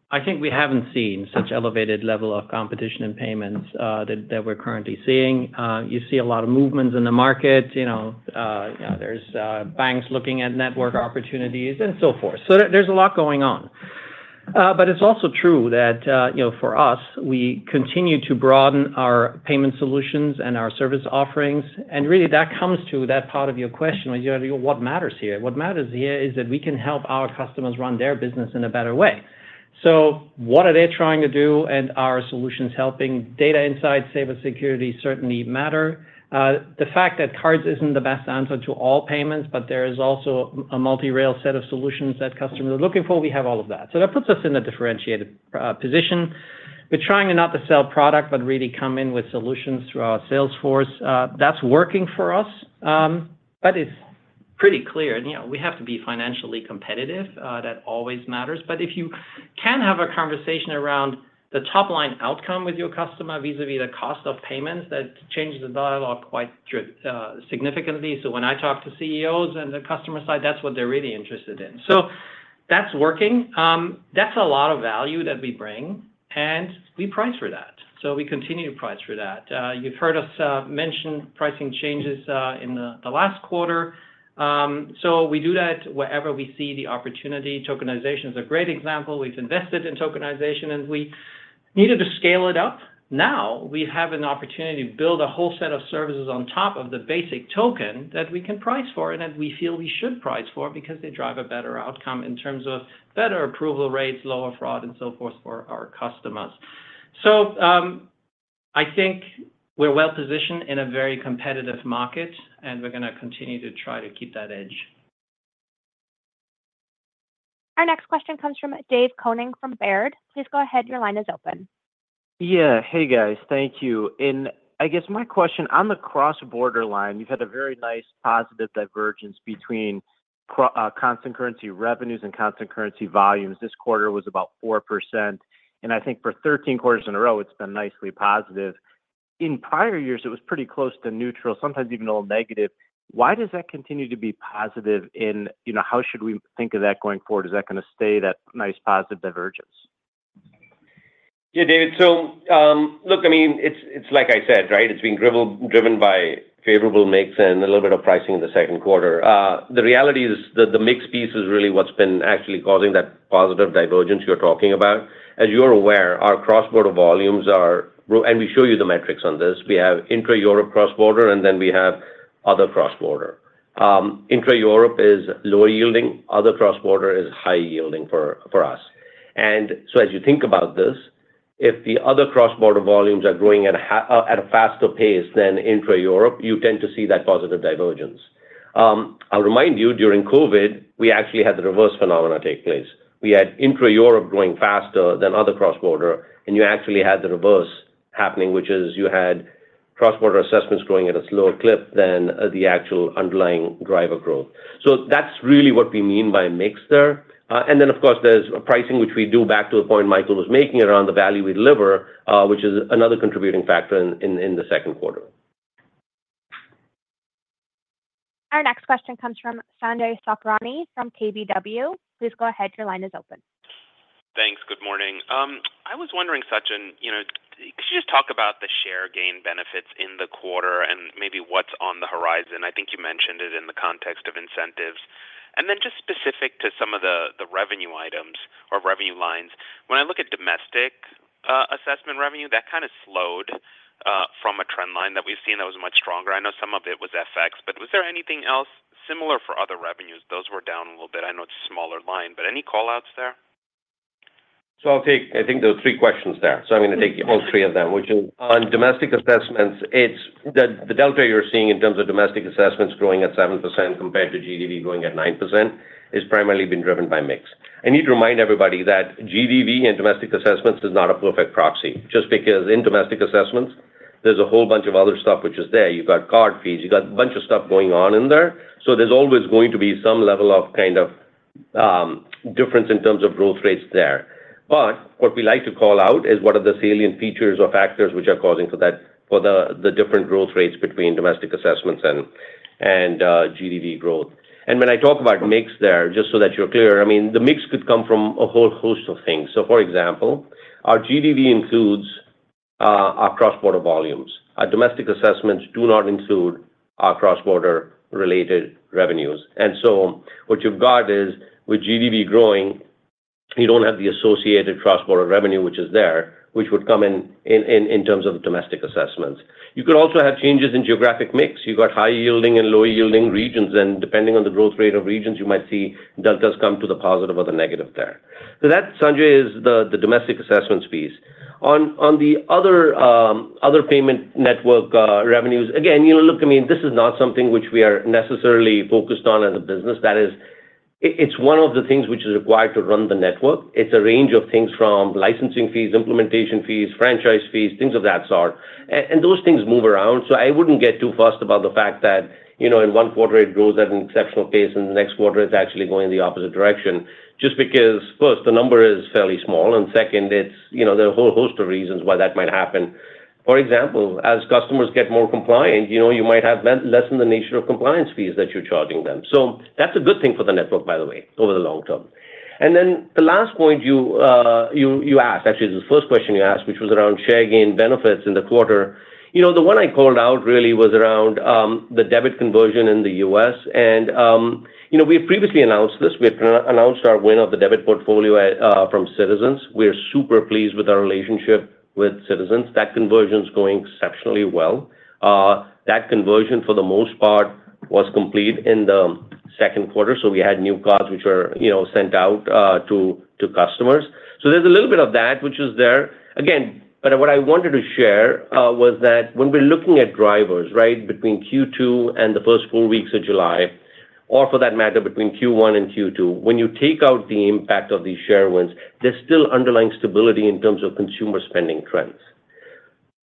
I think we haven't seen such elevated level of competition in payments that we're currently seeing. You see a lot of movements in the market, you know, yeah, there's banks looking at network opportunities and so forth. So there's a lot going on. But it's also true that, you know, for us, we continue to broaden our payment solutions and our service offerings, and really, that comes to that part of your question, which is, what matters here? What matters here is that we can help our customers run their business in a better way. So what are they trying to do, and are our solutions helping? Data insights, cyber security certainly matter. The fact that cards isn't the best answer to all payments, but there is also a multi-rail set of solutions that customers are looking for, we have all of that. So that puts us in a differentiated position. We're trying not to sell product, but really come in with solutions through our sales force. That's working for us. But it's pretty clear, and, you know, we have to be financially competitive, that always matters, but if you can have a conversation around the top line outcome with your customer, vis-a-vis the cost of payments, that changes the dialogue quite significantly. So when I talk to CEOs on the customer side, that's what they're really interested in. So that's working. That's a lot of value that we bring, and we price for that, so we continue to price for that. You've heard us mention pricing changes in the last quarter. So we do that wherever we see the opportunity. Tokenization is a great example. We've invested in tokenization, and we needed to scale it up. Now, we have an opportunity to build a whole set of services on top of the basic token that we can price for and that we feel we should price for because they drive a better outcome in terms of better approval rates, lower fraud, and so forth for our customers. So, I think we're well-positioned in a very competitive market, and we're gonna continue to try to keep that edge. Our next question comes from Dave Koning from Baird. Please go ahead. Your line is open. Yeah. Hey, guys. Thank you. I guess my question, on the cross-border line, you've had a very nice positive divergence between constant currency revenues and constant currency volumes. This quarter was about 4%, and I think for 13 quarters in a row, it's been nicely positive. In prior years, it was pretty close to neutral, sometimes even a little negative. Why does that continue to be positive, and, you know, how should we think of that going forward? Is that gonna stay that nice positive divergence? Yeah, David, so, look, I mean, it's, it's like I said, right? It's being driven by favorable mix and a little bit of pricing in the second quarter. The reality is that the mix piece is really what's been actually causing that positive divergence you're talking about. As you're aware, our cross-border volumes are growing. And we show you the metrics on this. We have intra-Europe cross-border, and then we have other cross-border. Intra-Europe is lower-yielding; other cross-border is high-yielding for us. And so as you think about this, if the other cross-border volumes are growing at a faster pace than intra-Europe, you tend to see that positive divergence. I'll remind you, during COVID, we actually had the reverse phenomena take place. We had intra-Europe growing faster than other cross-border, and you actually had the reverse happening, which is you had cross-border assessments growing at a slower clip than the actual underlying driver growth. So that's really what we mean by mix there. And then, of course, there's pricing, which we do back to the point Michael was making around the value we deliver, which is another contributing factor in the second quarter. Our next question comes from Sanjay Sakhrani from KBW. Please go ahead. Your line is open. Thanks. Good morning. I was wondering, Sachin, you know, could you just talk about the share gain benefits in the quarter and maybe what's on the horizon? I think you mentioned it in the context of incentives. And then just specific to some of the revenue items or revenue lines, when I look at domestic assessment revenue, that kind of slowed from a trend line that we've seen that was much stronger. I know some of it was FX, but was there anything else similar for other revenues? Those were down a little bit. I know it's a smaller line, but any call-outs there? So I'll take... I think there were three questions there, so I'm gonna take all three of them, which is, on domestic assessments, it's the, the delta you're seeing in terms of domestic assessments growing at 7% compared to GDV growing at 9%, is primarily been driven by mix. I need to remind everybody that GDV and domestic assessments is not a perfect proxy. Just because in domestic assessments, there's a whole bunch of other stuff which is there. You've got card fees, you've got a bunch of stuff going on in there. So there's always going to be some level of kind of, difference in terms of growth rates there. But what we like to call out is what are the salient features or factors which are causing for that, for the, the different growth rates between domestic assessments and GDV growth. And when I talk about mix there, just so that you're clear, I mean, the mix could come from a whole host of things. So, for example, our GDV includes our cross-border volumes. Our domestic assessments do not include our cross-border related revenues. And so what you've got is, with GDV growing, you don't have the associated cross-border revenue, which is there, which would come in in terms of domestic assessments. You could also have changes in geographic mix. You've got high-yielding and low-yielding regions, and depending on the growth rate of regions, you might see deltas come to the positive or the negative there. So that, Sanjay, is the domestic assessments piece. On the other payment network revenues, again, you know, I mean, this is not something which we are necessarily focused on as a business. That is, it's one of the things which is required to run the network. It's a range of things from licensing fees, implementation fees, franchise fees, things of that sort. And those things move around, so I wouldn't get too fussed about the fact that, you know, in one quarter it grows at an exceptional pace, and the next quarter it's actually going in the opposite direction. Just because, first, the number is fairly small, and second, it's, you know, there are a whole host of reasons why that might happen. For example, as customers get more compliant, you know, you might have less in the nature of compliance fees that you're charging them. So that's a good thing for the network, by the way, over the long term. And then the last point you asked, actually, the first question you asked, which was around share gain benefits in the quarter. You know, the one I called out really was around the debit conversion in the U.S. And you know, we've previously announced this. We've announced our win of the debit portfolio from Citizens. We're super pleased with our relationship with Citizens. That conversion's going exceptionally well. That conversion, for the most part, was complete in the second quarter, so we had new cards which were, you know, sent out to customers. So there's a little bit of that, which is there. Again, but what I wanted to share was that when we're looking at drivers, right, between Q2 and the first 4 weeks of July, or for that matter, between Q1 and Q2, when you take out the impact of these share wins, there's still underlying stability in terms of consumer spending trends.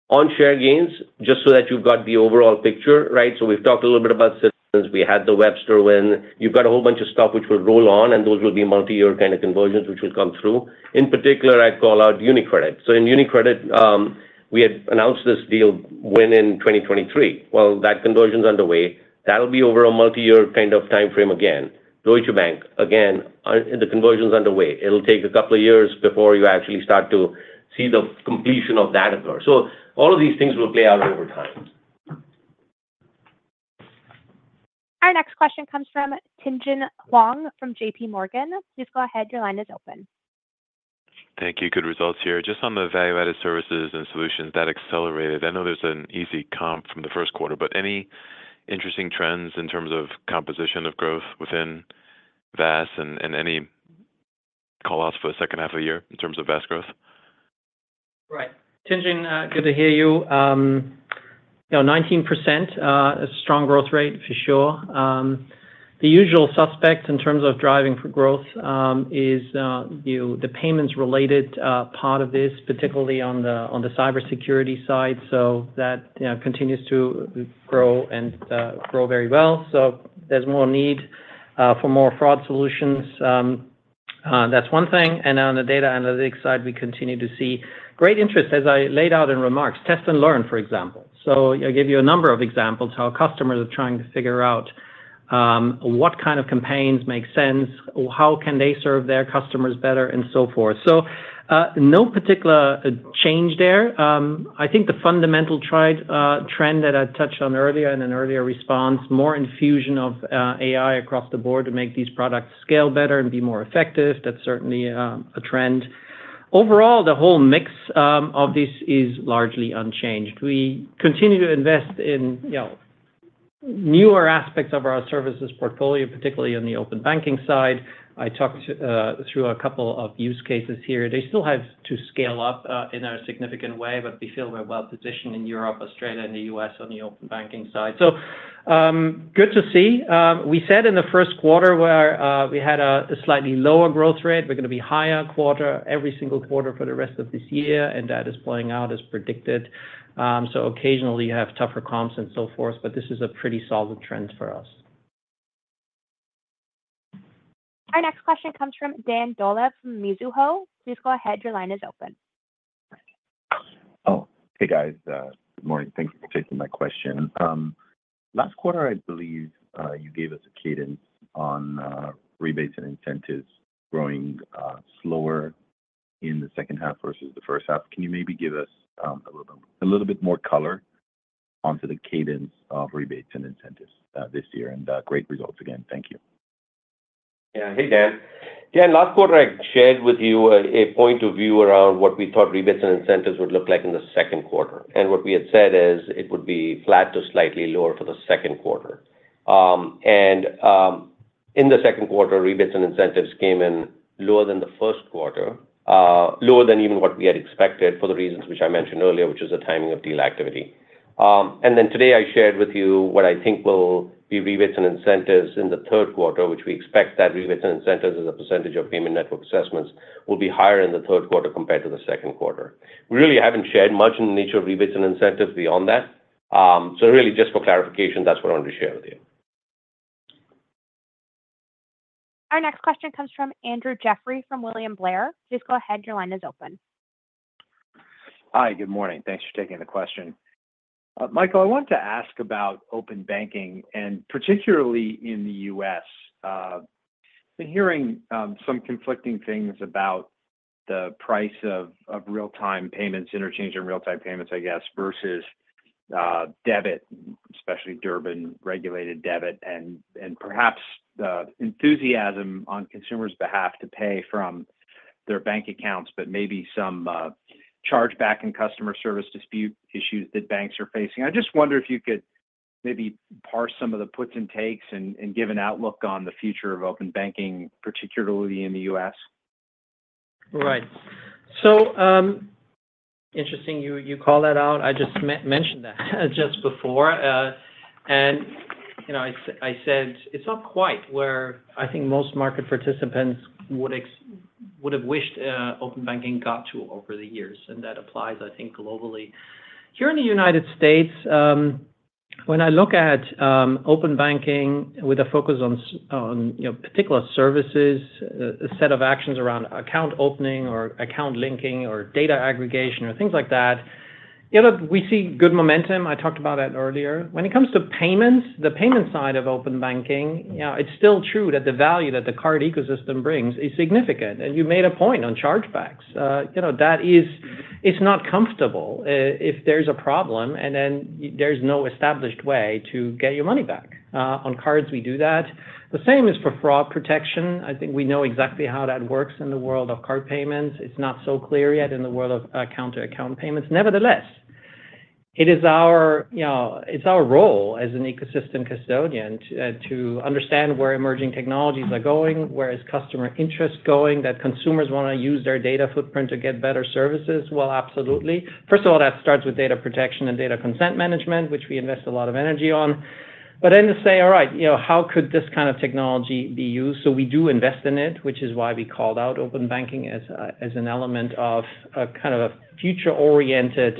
On share gains, just so that you've got the overall picture, right? So we've talked a little bit about Citizens. We had the Webster win. You've got a whole bunch of stuff which will roll on, and those will be multi-year kind of conversions, which will come through. In particular, I'd call out UniCredit. So in UniCredit, we had announced this deal win in 2023. Well, that conversion's underway. That'll be over a multi-year kind of timeframe again. Deutsche Bank, again, the conversion's underway. It'll take a couple of years before you actually start to see the completion of that as well. All of these things will play out over time. Our next question comes from Tien-tsin Huang from JPMorgan. Please go ahead. Your line is open. Thank you. Good results here. Just on the value-added services and solutions that accelerated, I know there's an easy comp from the first quarter, but any interesting trends in terms of composition of growth within VAS and, and any call-outs for the second half of the year in terms of VAS growth? Right. Tien-tsin, good to hear you. You know, 19%, a strong growth rate for sure. The usual suspect in terms of driving for growth is, you know, the payments-related part of this, particularly on the cybersecurity side. So that, you know, continues to grow and grow very well. So there's more need for more fraud solutions. That's one thing. And on the data analytics side, we continue to see great interest, as I laid out in remarks, Test & Learn, for example. So I gave you a number of examples how customers are trying to figure out what kind of campaigns make sense, or how can they serve their customers better, and so forth. So no particular change there. I think the fundamental trend that I touched on earlier in an earlier response, more infusion of AI across the board to make these products scale better and be more effective. That's certainly a trend. Overall, the whole mix of this is largely unchanged. We continue to invest in, you know, newer aspects of our services portfolio, particularly on the open banking side. I talked through a couple of use cases here. They still have to scale up in a significant way, but we feel we're well-positioned in Europe, Australia, and the U.S. on the open banking side. So, good to see. We said in the first quarter where we had a slightly lower growth rate, we're going to be higher quarter every single quarter for the rest of this year, and that is playing out as predicted. Occasionally you have tougher comps and so forth, but this is a pretty solid trend for us. Our next question comes from Dan Dolev from Mizuho. Please go ahead. Your line is open. Oh, hey, guys. Good morning. Thank you for taking my question. Last quarter, I believe, you gave us a cadence on rebates and incentives growing slower in the second half versus the first half. Can you maybe give us a little bit, a little bit more color onto the cadence of rebates and incentives this year? And, great results, again. Thank you. Yeah. Hey, Dan. Yeah, last quarter, I shared with you a point of view around what we thought rebates and incentives would look like in the second quarter. And what we had said is it would be flat to slightly lower for the second quarter. In the second quarter, rebates and incentives came in lower than the first quarter, lower than even what we had expected for the reasons which I mentioned earlier, which is the timing of deal activity. And then today I shared with you what I think will be rebates and incentives in the third quarter, which we expect that rebates and incentives as a percentage of payment network assessments will be higher in the third quarter compared to the second quarter. We really haven't shared much in the nature of rebates and incentives beyond that. So really, just for clarification, that's what I want to share with you. Our next question comes from Andrew Jeffrey from William Blair. Please go ahead. Your line is open. Hi, good morning. Thanks for taking the question. Michael, I wanted to ask about open banking, and particularly in the U.S. Been hearing some conflicting things about the price of real-time payments, interchange and real-time payments, I guess, versus debit, especially Durbin-regulated debit, and perhaps the enthusiasm on consumers' behalf to pay from their bank accounts, but maybe some chargeback and customer service dispute issues that banks are facing. I just wonder if you could maybe parse some of the puts and takes and give an outlook on the future of open banking, particularly in the U.S. Right. So, interesting you call that out. I just mentioned that just before, and, you know, I said it's not quite where I think most market participants would have wished open banking got to over the years, and that applies, I think, globally. Here in the United States, when I look at open banking with a focus on, you know, particular services, a set of actions around account opening, or account linking, or data aggregation, or things like that, you know, we see good momentum. I talked about that earlier. When it comes to payments, the payment side of open banking, you know, it's still true that the value that the card ecosystem brings is significant. And you made a point on chargebacks. You know, that is... It's not comfortable if there's a problem, and then there's no established way to get your money back. On cards, we do that. The same is for fraud protection. I think we know exactly how that works in the world of card payments. It's not so clear yet in the world of account-to-account payments. Nevertheless, it is our, you know, it's our role as an ecosystem custodian to understand where emerging technologies are going, where is customer interest going, that consumers wanna use their data footprint to get better services. Well, absolutely. First of all, that starts with data protection and data consent management, which we invest a lot of energy on. But then to say, all right, you know, how could this kind of technology be used? So we do invest in it, which is why we called out Open Banking as a, as an element of a kind of a future-oriented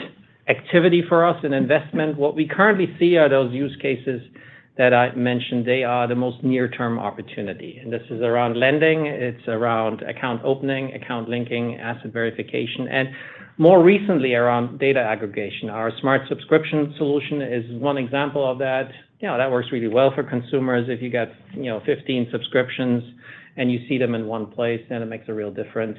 activity for us, an investment. What we currently see are those use cases that I mentioned. They are the most near-term opportunity, and this is around lending, it's around account opening, account linking, asset verification, and more recently, around data aggregation. Our Smart Subscription solution is one example of that. You know, that works really well for consumers. If you got, you know, 15 subscriptions and you see them in one place, then it makes a real difference.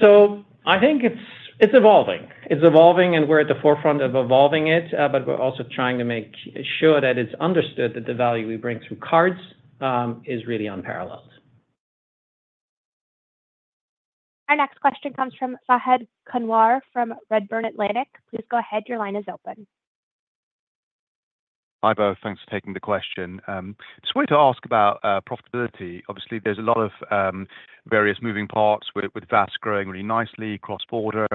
So I think it's, it's evolving. It's evolving, and we're at the forefront of evolving it, but we're also trying to make sure that it's understood that the value we bring through cards is really unparalleled. Our next question comes from Fahed Kunwar from Redburn Atlantic. Please go ahead. Your line is open. Hi, both. Thanks for taking the question. Just wanted to ask about profitability. Obviously, there's a lot of various moving parts with VAS growing really nicely cross-border.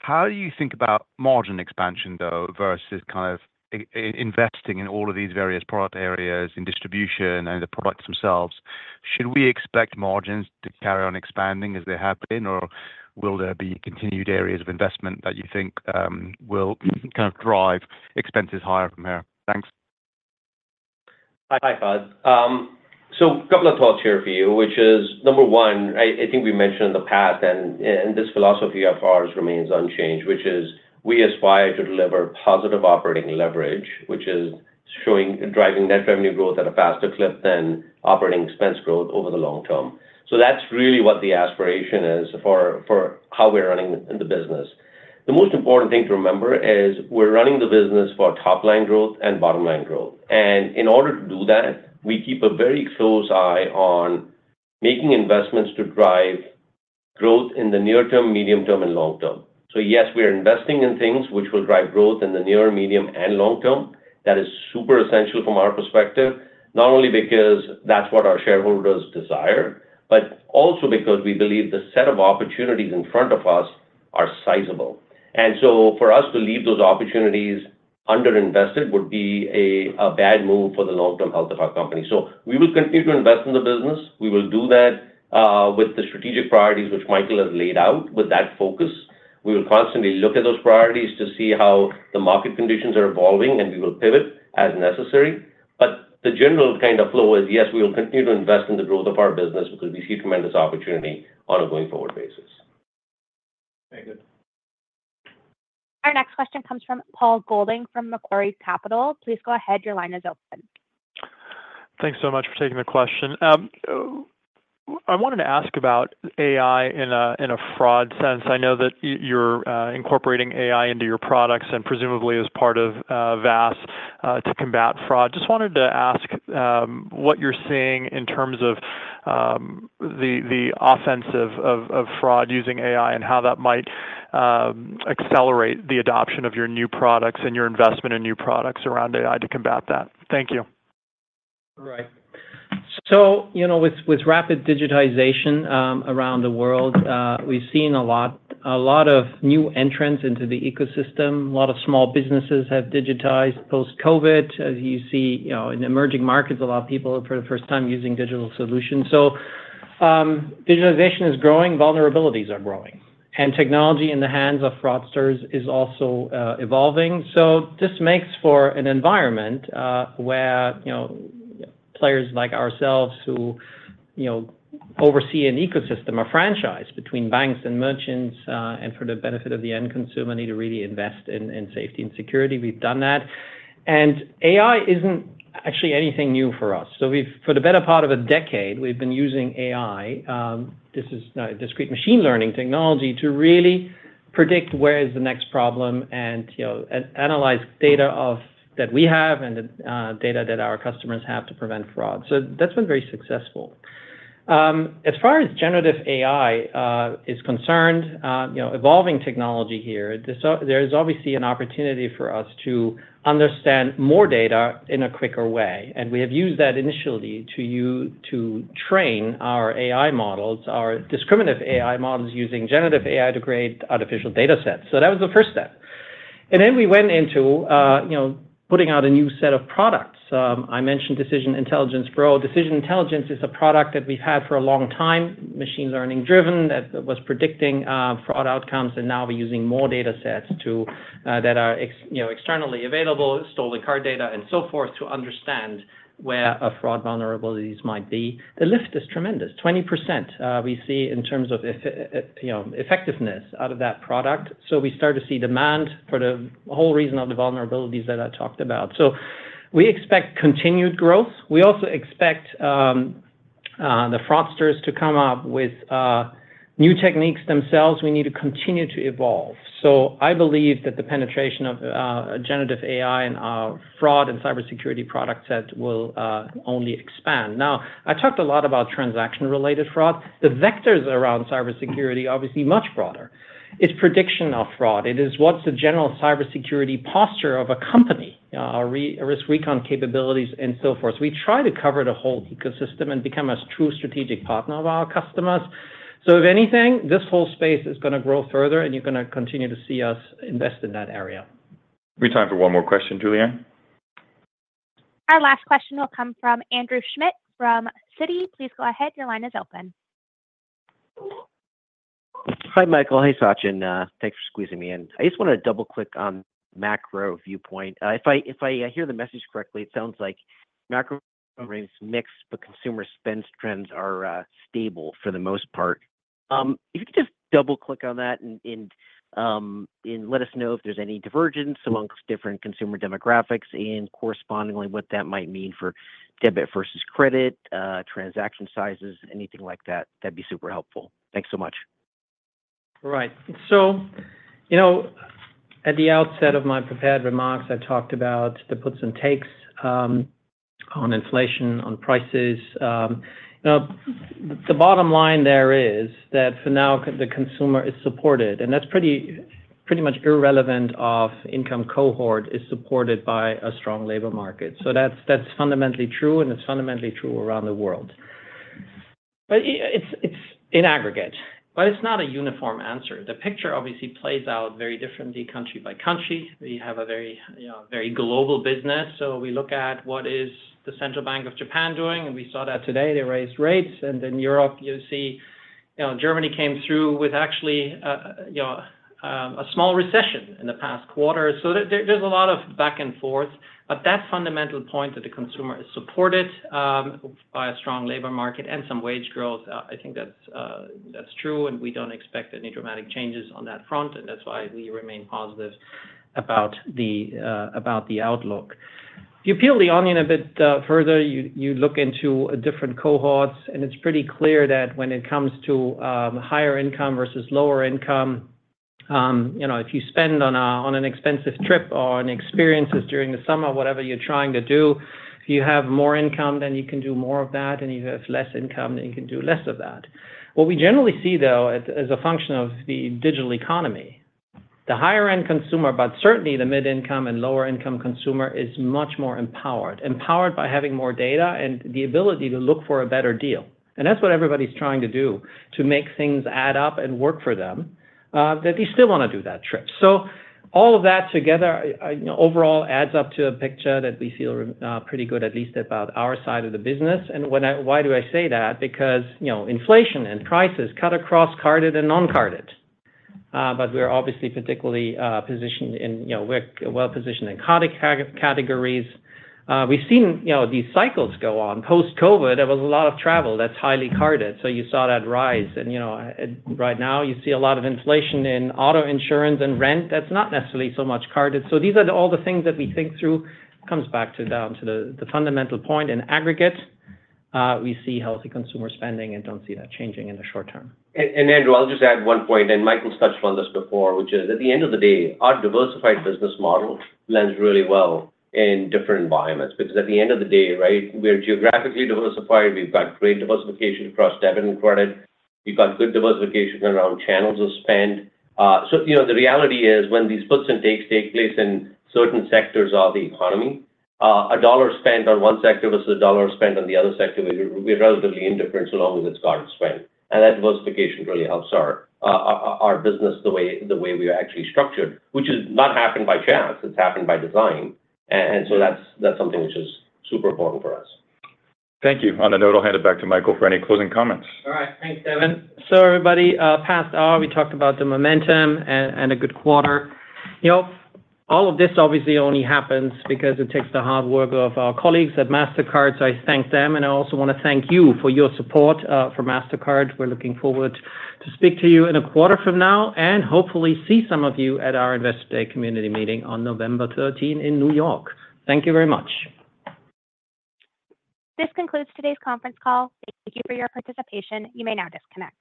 How do you think about margin expansion, though, versus kind of investing in all of these various product areas, in distribution and the products themselves? Should we expect margins to carry on expanding as they have been, or will there be continued areas of investment that you think will kind of drive expenses higher from here? Thanks. Hi, Fahed. So a couple of thoughts here for you, which is, number one, I think we mentioned in the past, and this philosophy of ours remains unchanged, which is we aspire to deliver positive operating leverage, which is showing driving net revenue growth at a faster clip than operating expense growth over the long term. So that's really what the aspiration is for how we're running the business. The most important thing to remember is we're running the business for top-line growth and bottom-line growth. In order to do that, we keep a very close eye on making investments to drive growth in the near term, medium term, and long term. So yes, we are investing in things which will drive growth in the near, medium, and long term. That is super essential from our perspective, not only because that's what our shareholders desire, but also because we believe the set of opportunities in front of us are sizable. And so for us to leave those opportunities underinvested would be a bad move for the long-term health of our company. So we will continue to invest in the business. We will do that with the strategic priorities which Michael has laid out, with that focus. We will constantly look at those priorities to see how the market conditions are evolving, and we will pivot as necessary. But the general kind of flow is, yes, we will continue to invest in the growth of our business because we see tremendous opportunity on a going-forward basis. Very good. Our next question comes from Paul Golding, from Macquarie Capital. Please go ahead. Your line is open. Thanks so much for taking the question. I wanted to ask about AI in a fraud sense. I know that you're incorporating AI into your products and presumably as part of VAS to combat fraud. Just wanted to ask what you're seeing in terms of the offensive of fraud using AI, and how that might accelerate the adoption of your new products and your investment in new products around AI to combat that. Thank you. Right. So, you know, with, with rapid digitization around the world, we've seen a lot, a lot of new entrants into the ecosystem. A lot of small businesses have digitized post-COVID. As you see, you know, in emerging markets, a lot of people for the first time using digital solutions. Digitalization is growing, vulnerabilities are growing, and technology in the hands of fraudsters is also evolving. So this makes for an environment where, you know, players like ourselves who, you know, oversee an ecosystem, a franchise between banks and merchants and for the benefit of the end consumer, need to really invest in, in safety and security. We've done that. And AI isn't actually anything new for us. So we've, for the better part of a decade, we've been using AI, this is now discrete machine learning technology, to really predict where is the next problem and, you know, analyze data that we have and the data that our customers have to prevent fraud. So that's been very successful. As far as generative AI is concerned, you know, evolving technology here, there is obviously an opportunity for us to understand more data in a quicker way, and we have used that initially to train our AI models, our discriminative AI models, using generative AI to create artificial datasets. So that was the first step. And then we went into, you know, putting out a new set of products. I mentioned Decision Intelligence Pro. Decision Intelligence is a product that we've had for a long time, machine learning driven, that was predicting fraud outcomes, and now we're using more datasets to that are, you know, externally available, stolen card data, and so forth, to understand where a fraud vulnerabilities might be. The lift is tremendous. 20%, we see in terms of effectiveness, you know, out of that product. So we start to see demand for the whole reason of the vulnerabilities that I talked about. So we expect continued growth. We also expect the fraudsters to come up with new techniques themselves. We need to continue to evolve. So I believe that the penetration of generative AI and fraud and cybersecurity product set will only expand. Now, I talked a lot about transaction-related fraud. The vectors around cybersecurity are obviously much broader. It's prediction of fraud. It is what's the general cybersecurity posture of a company, RiskRecon capabilities, and so forth. We try to cover the whole ecosystem and become a true strategic partner of our customers. So if anything, this whole space is gonna grow further, and you're gonna continue to see us invest in that area. We have time for one more question, Julianne. Our last question will come from Andrew Schmidt from Citi. Please go ahead. Your line is open. Hi, Michael. Hey, Sachin. Thanks for squeezing me in. I just wanna double-click on macro viewpoint. If I, if I hear the message correctly, it sounds like macro remains mixed, but consumer spend trends are stable for the most part. If you could just double-click on that and let us know if there's any divergence among different consumer demographics, and correspondingly, what that might mean for debit versus credit, transaction sizes, anything like that, that'd be super helpful. Thanks so much. Right. So, you know, at the outset of my prepared remarks, I talked about the puts and takes, on inflation, on prices. Now, the bottom line there is that for now, the consumer is supported, and that's pretty, pretty much irrelevant of income cohort, is supported by a strong labor market. So that's, that's fundamentally true, and it's fundamentally true around the world. But it's, it's in aggregate, but it's not a uniform answer. The picture obviously plays out very differently country by country. We have a very, very global business, so we look at what is the Central Bank of Japan doing, and we saw that today, they raised rates. And in Europe, you see, you know, Germany came through with actually, a small recession in the past quarter. So there's a lot of back and forth, but that fundamental point that the consumer is supported by a strong labor market and some wage growth, I think that's true, and we don't expect any dramatic changes on that front, and that's why we remain positive about the outlook. If you peel the onion a bit further, you look into different cohorts, and it's pretty clear that when it comes to higher income versus lower income, you know, if you spend on an expensive trip or on experiences during the summer, whatever you're trying to do, if you have more income, then you can do more of that, and you have less income, then you can do less of that. What we generally see, though, as a function of the digital economy, the higher-end consumer, but certainly the mid-income and lower-income consumer, is much more empowered, empowered by having more data and the ability to look for a better deal. And that's what everybody's trying to do to make things add up and work for them, that they still wanna do that trip. So all of that together, you know, overall adds up to a picture that we feel pretty good, at least about our side of the business. And when I... Why do I say that? Because, you know, inflation and prices cut across carded and non-carded. But we're obviously particularly positioned in, you know, we're well-positioned in carded categories. We've seen, you know, these cycles go on. Post-COVID, there was a lot of travel that's highly carded, so you saw that rise. And, you know, right now you see a lot of inflation in auto insurance and rent that's not necessarily so much carded. So these are all the things that we think through, comes back down to the fundamental point. In aggregate, we see healthy consumer spending and don't see that changing in the short term. And Andrew, I'll just add one point, and Michael touched on this before, which is, at the end of the day, our diversified business model lends really well in different environments. Because at the end of the day, right, we're geographically diversified, we've got great diversification across debit and credit, we've got good diversification around channels of spend. So, you know, the reality is, when these puts and takes take place in certain sectors of the economy, a dollar spent on one sector versus a dollar spent on the other sector, we're relatively indifferent, so long as it's card spend. And that diversification really helps our, our business, the way, the way we are actually structured, which has not happened by chance, it's happened by design. And so that's, that's something which is super important for us. Thank you. On that note, I'll hand it back to Michael for any closing comments. All right. Thanks, Devin. So everybody, past hour, we talked about the momentum and a good quarter. You know, all of this obviously only happens because it takes the hard work of our colleagues at Mastercard, so I thank them, and I also wanna thank you for your support, for Mastercard. We're looking forward to speak to you in a quarter from now, and hopefully see some of you at our Investor Day community meeting on November 13th in New York. Thank you very much. This concludes today's conference call. Thank you for your participation. You may now disconnect.